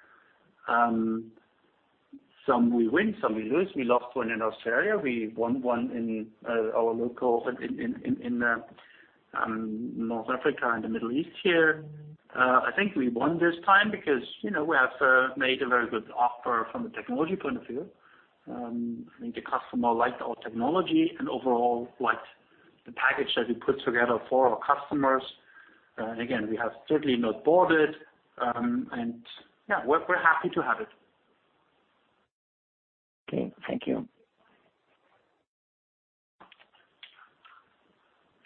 Some we win, some we lose. We lost one in Australia. We won one in our local, in North Africa and the Middle East here. I think we won this time because we have made a very good offer from a technology point of view. I think the customer liked our technology and overall liked the package that we put together for our customers. Again, we have certainly not bought it. Yeah, we're happy to have it. Okay, thank you.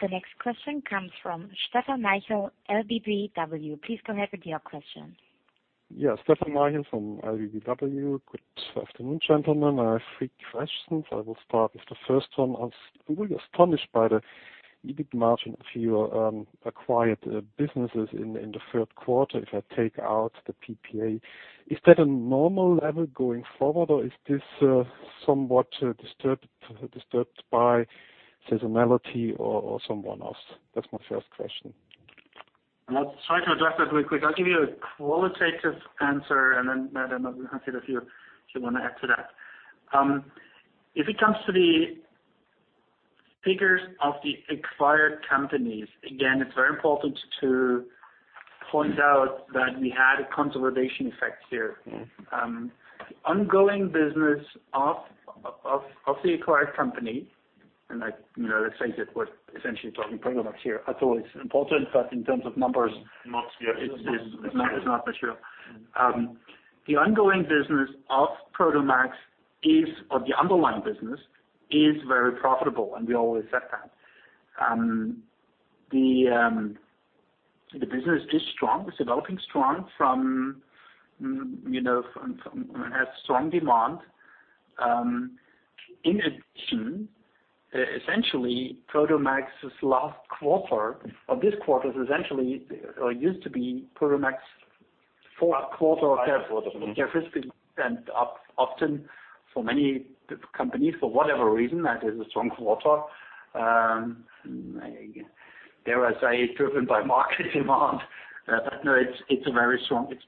The next question comes from Stefan Maichl, LBBW. Please go ahead with your question. Yeah, Stefan Maichl from LBBW. Good afternoon, gentlemen. I have three questions. I will start with the first one. I was really astonished by the EBIT margin of your acquired businesses in the third quarter, if I take out the PPA. Is that a normal level going forward, or is this somewhat disturbed by seasonality or someone else? That's my first question. I'll try to address that really quick. I'll give you a qualitative answer, and then Hans, if you want to add to that. If it comes to the figures of the acquired companies, again, it's very important to point out that we had a consolidation effect here. Ongoing business of the acquired company, and let's face it, we're essentially talking Prodomax here. That's always important. Not this year. It's not this year. The ongoing business of Prodomax or the underlying business is very profitable, and we always said that. The business is strong. It's developing strong, it has strong demand. In addition, essentially, Prodomax's last quarter or this quarter, used to be Prodomax fourth quarter of their fiscal year. Often, for many companies, for whatever reason, that is a strong quarter. There, as I say, driven by market demand. No, it's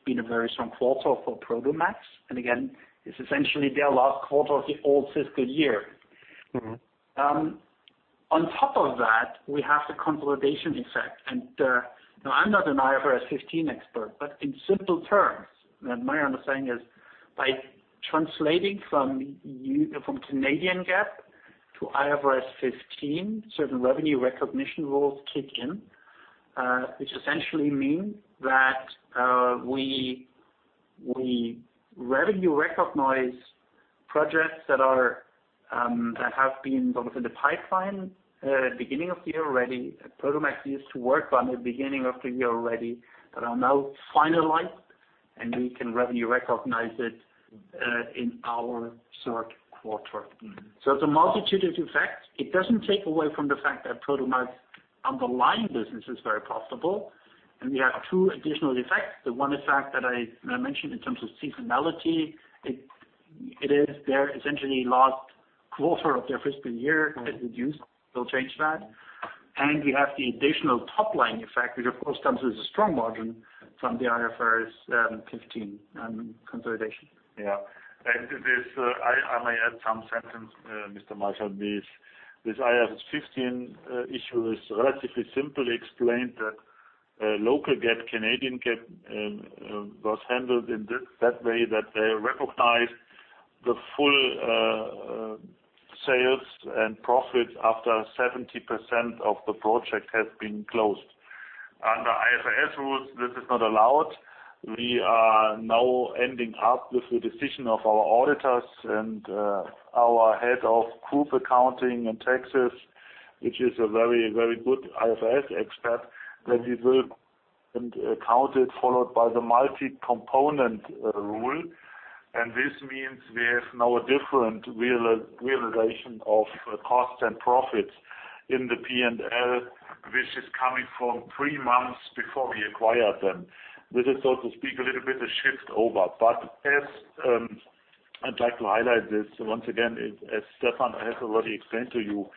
been a very strong quarter for Prodomax. Again, it's essentially their last quarter of the old fiscal year. On top of that, we have the consolidation effect. I'm not an IFRS 15 expert, but in simple terms, my understanding is by translating from Canadian GAAP to IFRS 15, certain revenue recognition rules kick in, which essentially mean that we revenue recognize projects that have been within the pipeline beginning of the year already. Prodomax used to work on the beginning of the year already, that are now finalized. We can revenue recognize it in our third quarter. It's a multitude of effects. It doesn't take away from the fact that Prodomax's underlying business is very profitable, and we have two additional effects. The one effect that I mentioned in terms of seasonality, it is their essentially last quarter of their fiscal year is reduced. They'll change that. We have the additional top-line effect, which of course comes with a strong margin from the IFRS 15 consolidation. Yeah. To this, I may add some sentence, Mr. Maichl. This IFRS 15 issue is relatively simply explained that local GAAP, Canadian GAAP, was handled in that way that they recognized the full sales and profit after 70% of the project has been closed. Under IFRS rules, this is not allowed. We are now ending up with the decision of our auditors and our head of group accounting and taxes, which is a very good IFRS expert, that we will account it followed by the multi-component rule. This means we have now a different realization of cost and profit in the P&L, which is coming from three months before we acquired them. This is, so to speak, a little bit a shift over. I'd like to highlight this once again, as Stefan has already explained to you,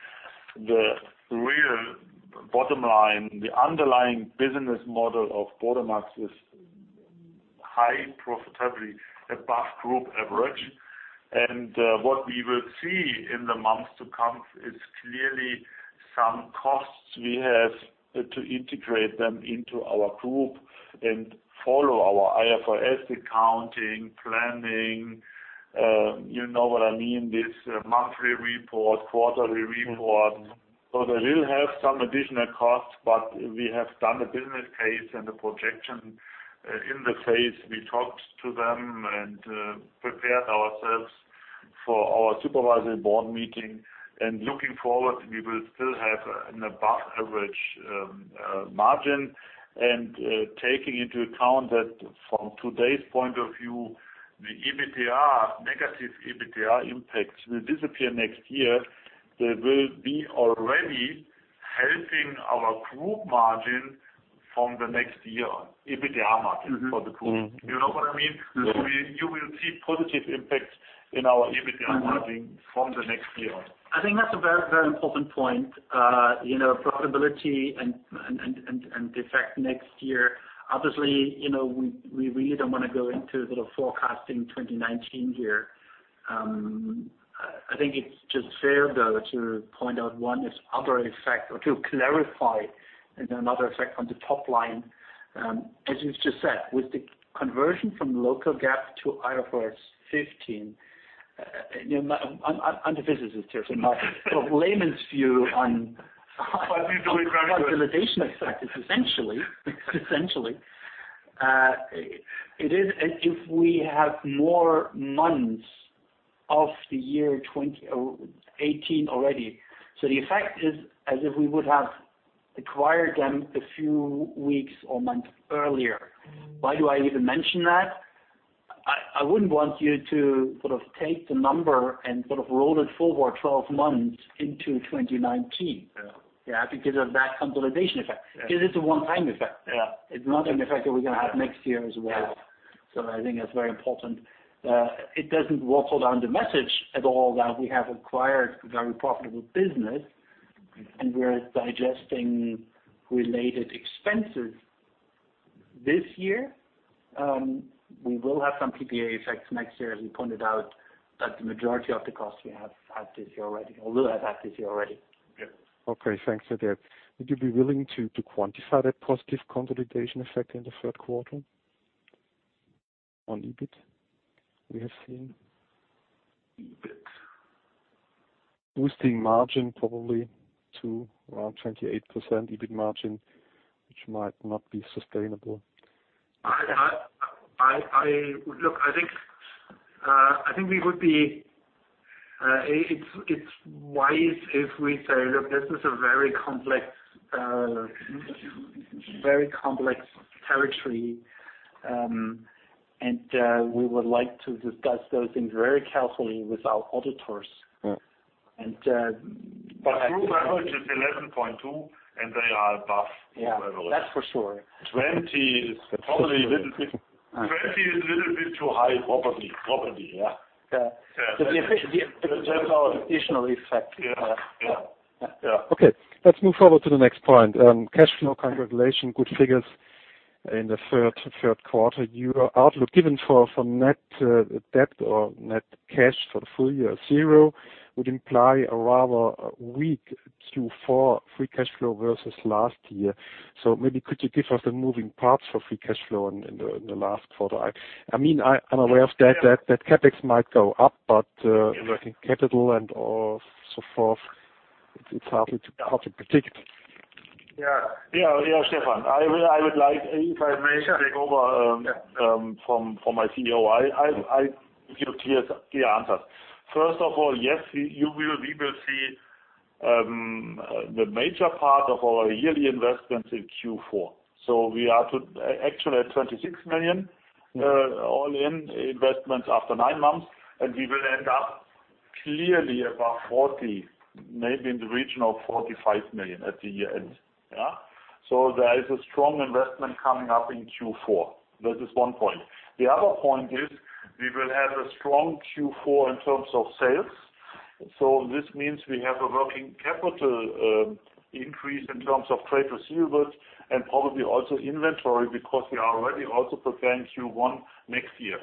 the real bottom line, the underlying business model of Prodomax is high profitability, above group average. What we will see in the months to come is clearly some costs we have to integrate them into our group and follow our IFRS accounting, planning. You know what I mean, this monthly report, quarterly report. They will have some additional costs, but we have done a business case and a projection in the case. We talked to them and prepared ourselves for our supervisory board meeting. Looking forward, we will still have an above-average margin. Taking into account that from today's point of view, the negative EBITDA impacts will disappear next year. They will be already helping our group margin from the next year on. EBITDA margin for the group. You know what I mean? Yes. You will see positive impacts in our EBITDA margin from the next year on. I think that's a very important point. Profitability and the effect next year. Obviously, we really don't want to go into forecasting 2019 here. I think it's just fair, though, to point out one other effect or to clarify another effect on the top line. As you just said, with the conversion from local GAAP to IFRS 15. I'm the physicist here, so layman's view on. Please believe me. consolidation effect is essentially, it is as if we have more months of the year 2018 already. The effect is as if we would have acquired them a few weeks or months earlier. Why do I even mention that? I wouldn't want you to take the number and roll it forward 12 months into 2019. Yeah. Yeah. Because of that consolidation effect. Because it's a one-time effect. Yeah. It's not an effect that we're going to have next year as well. Yeah. I think that's very important. It doesn't water down the message at all that we have acquired a very profitable business and we're digesting related expenses this year. We will have some PPA effects next year, as we pointed out, but the majority of the costs we have had this year already, or will have had this year already. Yeah. Okay. Thanks for that. Would you be willing to quantify that positive consolidation effect in the third quarter on EBIT we have seen? EBIT. Boosting margin probably to around 28% EBIT margin, which might not be sustainable. Look, I think it's wise if we say, look, this is a very complex territory, and we would like to discuss those things very carefully with our auditors. Yeah. Group average is 11.2, and they are above group average. Yeah. That's for sure. 20 is probably a little bit too high, probably, yeah. Yeah. That's our additional effect. Yeah. Okay. Let's move forward to the next point. Cash flow, congratulations, good figures in the third quarter. Your outlook given for net debt or net cash for the full year 0 would imply a rather weak Q4 free cash flow versus last year. Maybe could you give us the moving parts for free cash flow in the last quarter? I'm aware that CapEx might go up, but working capital and all so forth, it's hard to project particularly. Yeah. Stefan, if I may take over from my CEO. I give you the answers. First of all, yes, we will see the major part of our yearly investments in Q4. We are actually at 26 million all-in investments after nine months, and we will end up clearly above 40 million, maybe in the region of 45 million at the year-end. There is a strong investment coming up in Q4. That is one point. The other point is we will have a strong Q4 in terms of sales. This means we have a working capital increase in terms of trade receivables and probably also inventory, because we are already also preparing Q1 next year.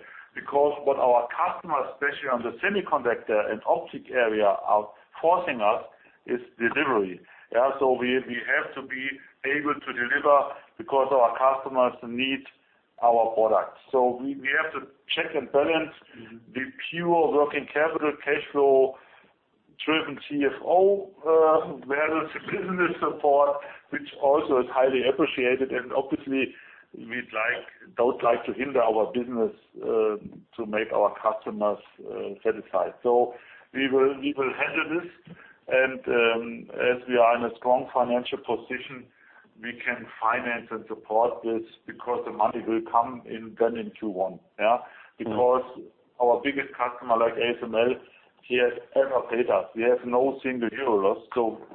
What our customers, especially on the semiconductor and optic area, are forcing us is delivery. We have to be able to deliver because our customers need our products. We have to check and balance the pure working capital cash flow-driven CFO versus business support, which also is highly appreciated. Obviously, we don't like to hinder our business to make our customers satisfied. We will handle this, and as we are in a strong financial position, we can finance and support this because the money will come in then in Q1. Our biggest customer, like ASML, he has ever paid us. We have no single EUR,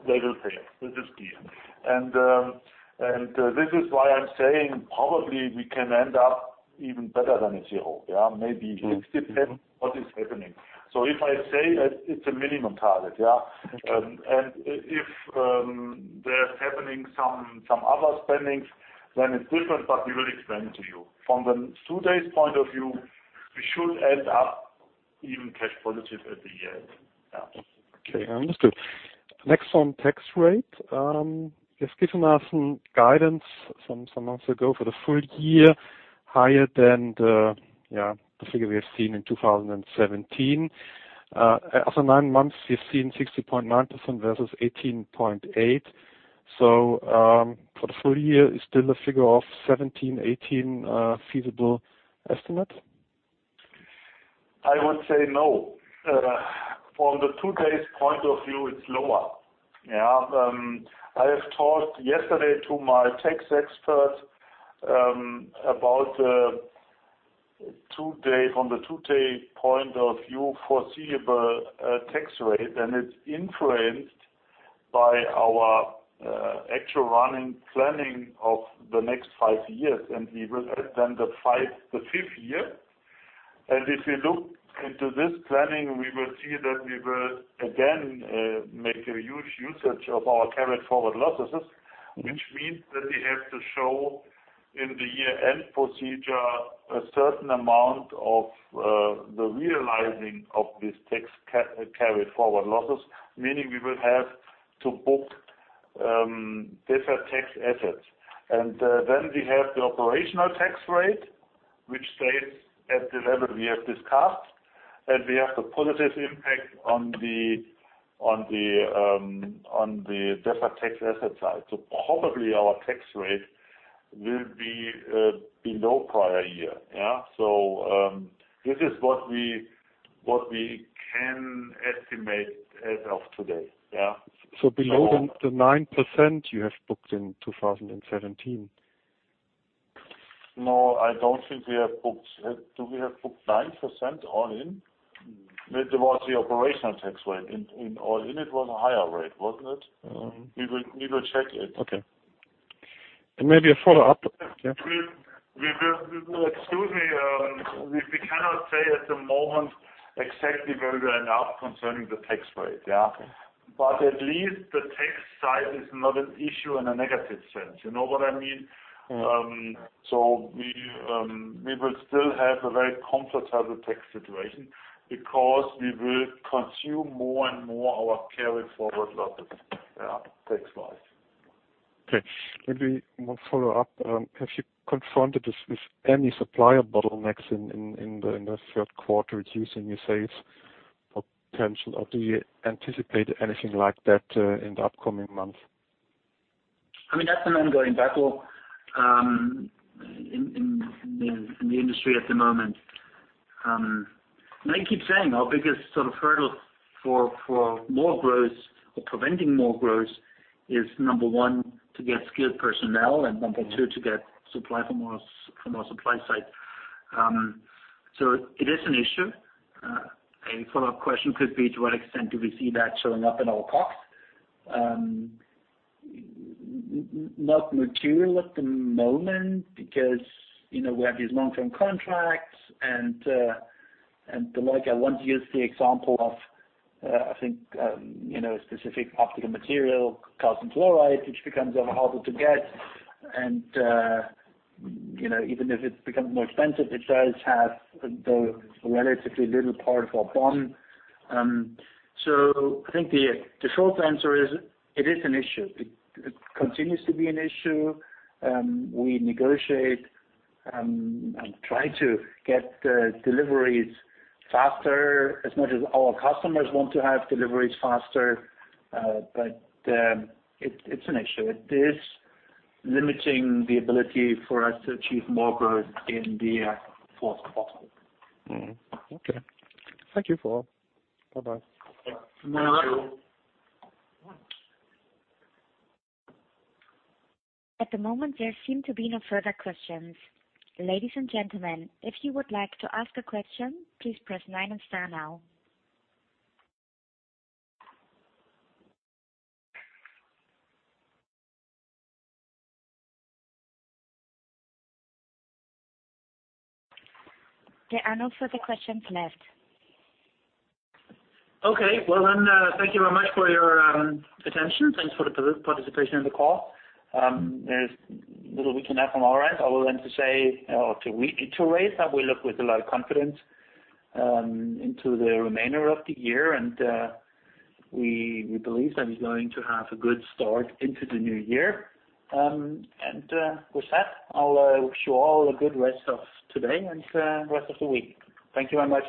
they will pay. This is clear. This is why I'm saying probably we can end up even better than 0. Maybe it depends what is happening. If I say it's a minimum target. Okay. If there's happening some other spendings, then it's different, but we will explain to you. From the today's point of view, we should end up even cash positive at the year-end. Okay, understood. Next on tax rate. You've given us some guidance some months ago for the full year, higher than the figure we have seen in 2017. After nine months, we've seen 16.9% versus 18.8%. For the full year, is still a figure of 17%, 18% feasible estimate? I would say no. From the today's point of view, it's lower. I have talked yesterday to my tax expert about, from the today's point of view, foreseeable tax rate. It's influenced by our actual running planning of the next five years. We will have then the fifth year. If we look into this planning, we will see that we will again make a huge usage of our carried forward losses, which means that we have to show in the year-end procedure a certain amount of the realizing of this carried forward losses, meaning we will have to book deferred tax assets. Then we have the operational tax rate, which stays at the level we have discussed. We have the positive impact on the deferred tax asset side. Probably our tax rate will be below prior year. This is what we can estimate as of today. Below the 9% you have booked in 2017. No, I don't think we have booked. Do we have booked 9% all in? That was the operational tax rate. In all in, it was a higher rate, wasn't it? We will check it. Okay. Maybe a follow-up. Excuse me. We cannot say at the moment exactly where we are now concerning the tax rate. Okay. At least the tax side is not an issue in a negative sense. You know what I mean? We will still have a very comfortable tax situation because we will consume more and more our carried forward losses tax-wise. Okay. Maybe one follow-up. Have you confronted this with any supplier bottlenecks in the third quarter reducing your sales potential, or do you anticipate anything like that in the upcoming months? I mean, that's an ongoing battle in the industry at the moment. I keep saying our biggest sort of hurdle for more growth or preventing more growth is number 1, to get skilled personnel and number 2, to get supply from our supply side. It is an issue. A follow-up question could be to what extent do we see that showing up in our COGS? Not material at the moment because we have these long-term contracts and the like. I want to use the example of, I think a specific optical material, calcium fluoride, which becomes ever harder to get. Even if it becomes more expensive, it does have the relatively little part of our BOM. I think the short answer is it is an issue. It continues to be an issue. We negotiate and try to get deliveries faster as much as our customers want to have deliveries faster. It's an issue. It is limiting the ability for us to achieve more growth in the fourth quarter. Mm-hmm. Okay. Thank you for all. Bye-bye. Thank you. Thank you. At the moment, there seem to be no further questions. Ladies and gentlemen, if you would like to ask a question, please press nine and star now. There are no further questions left. Thank you very much for your attention. Thanks for the participation in the call. There is little we can add from our end, other than to say or to reiterate that we look with a lot of confidence into the remainder of the year, and we believe that we're going to have a good start into the new year. With that, I'll wish you all a good rest of today and rest of the week. Thank you very much.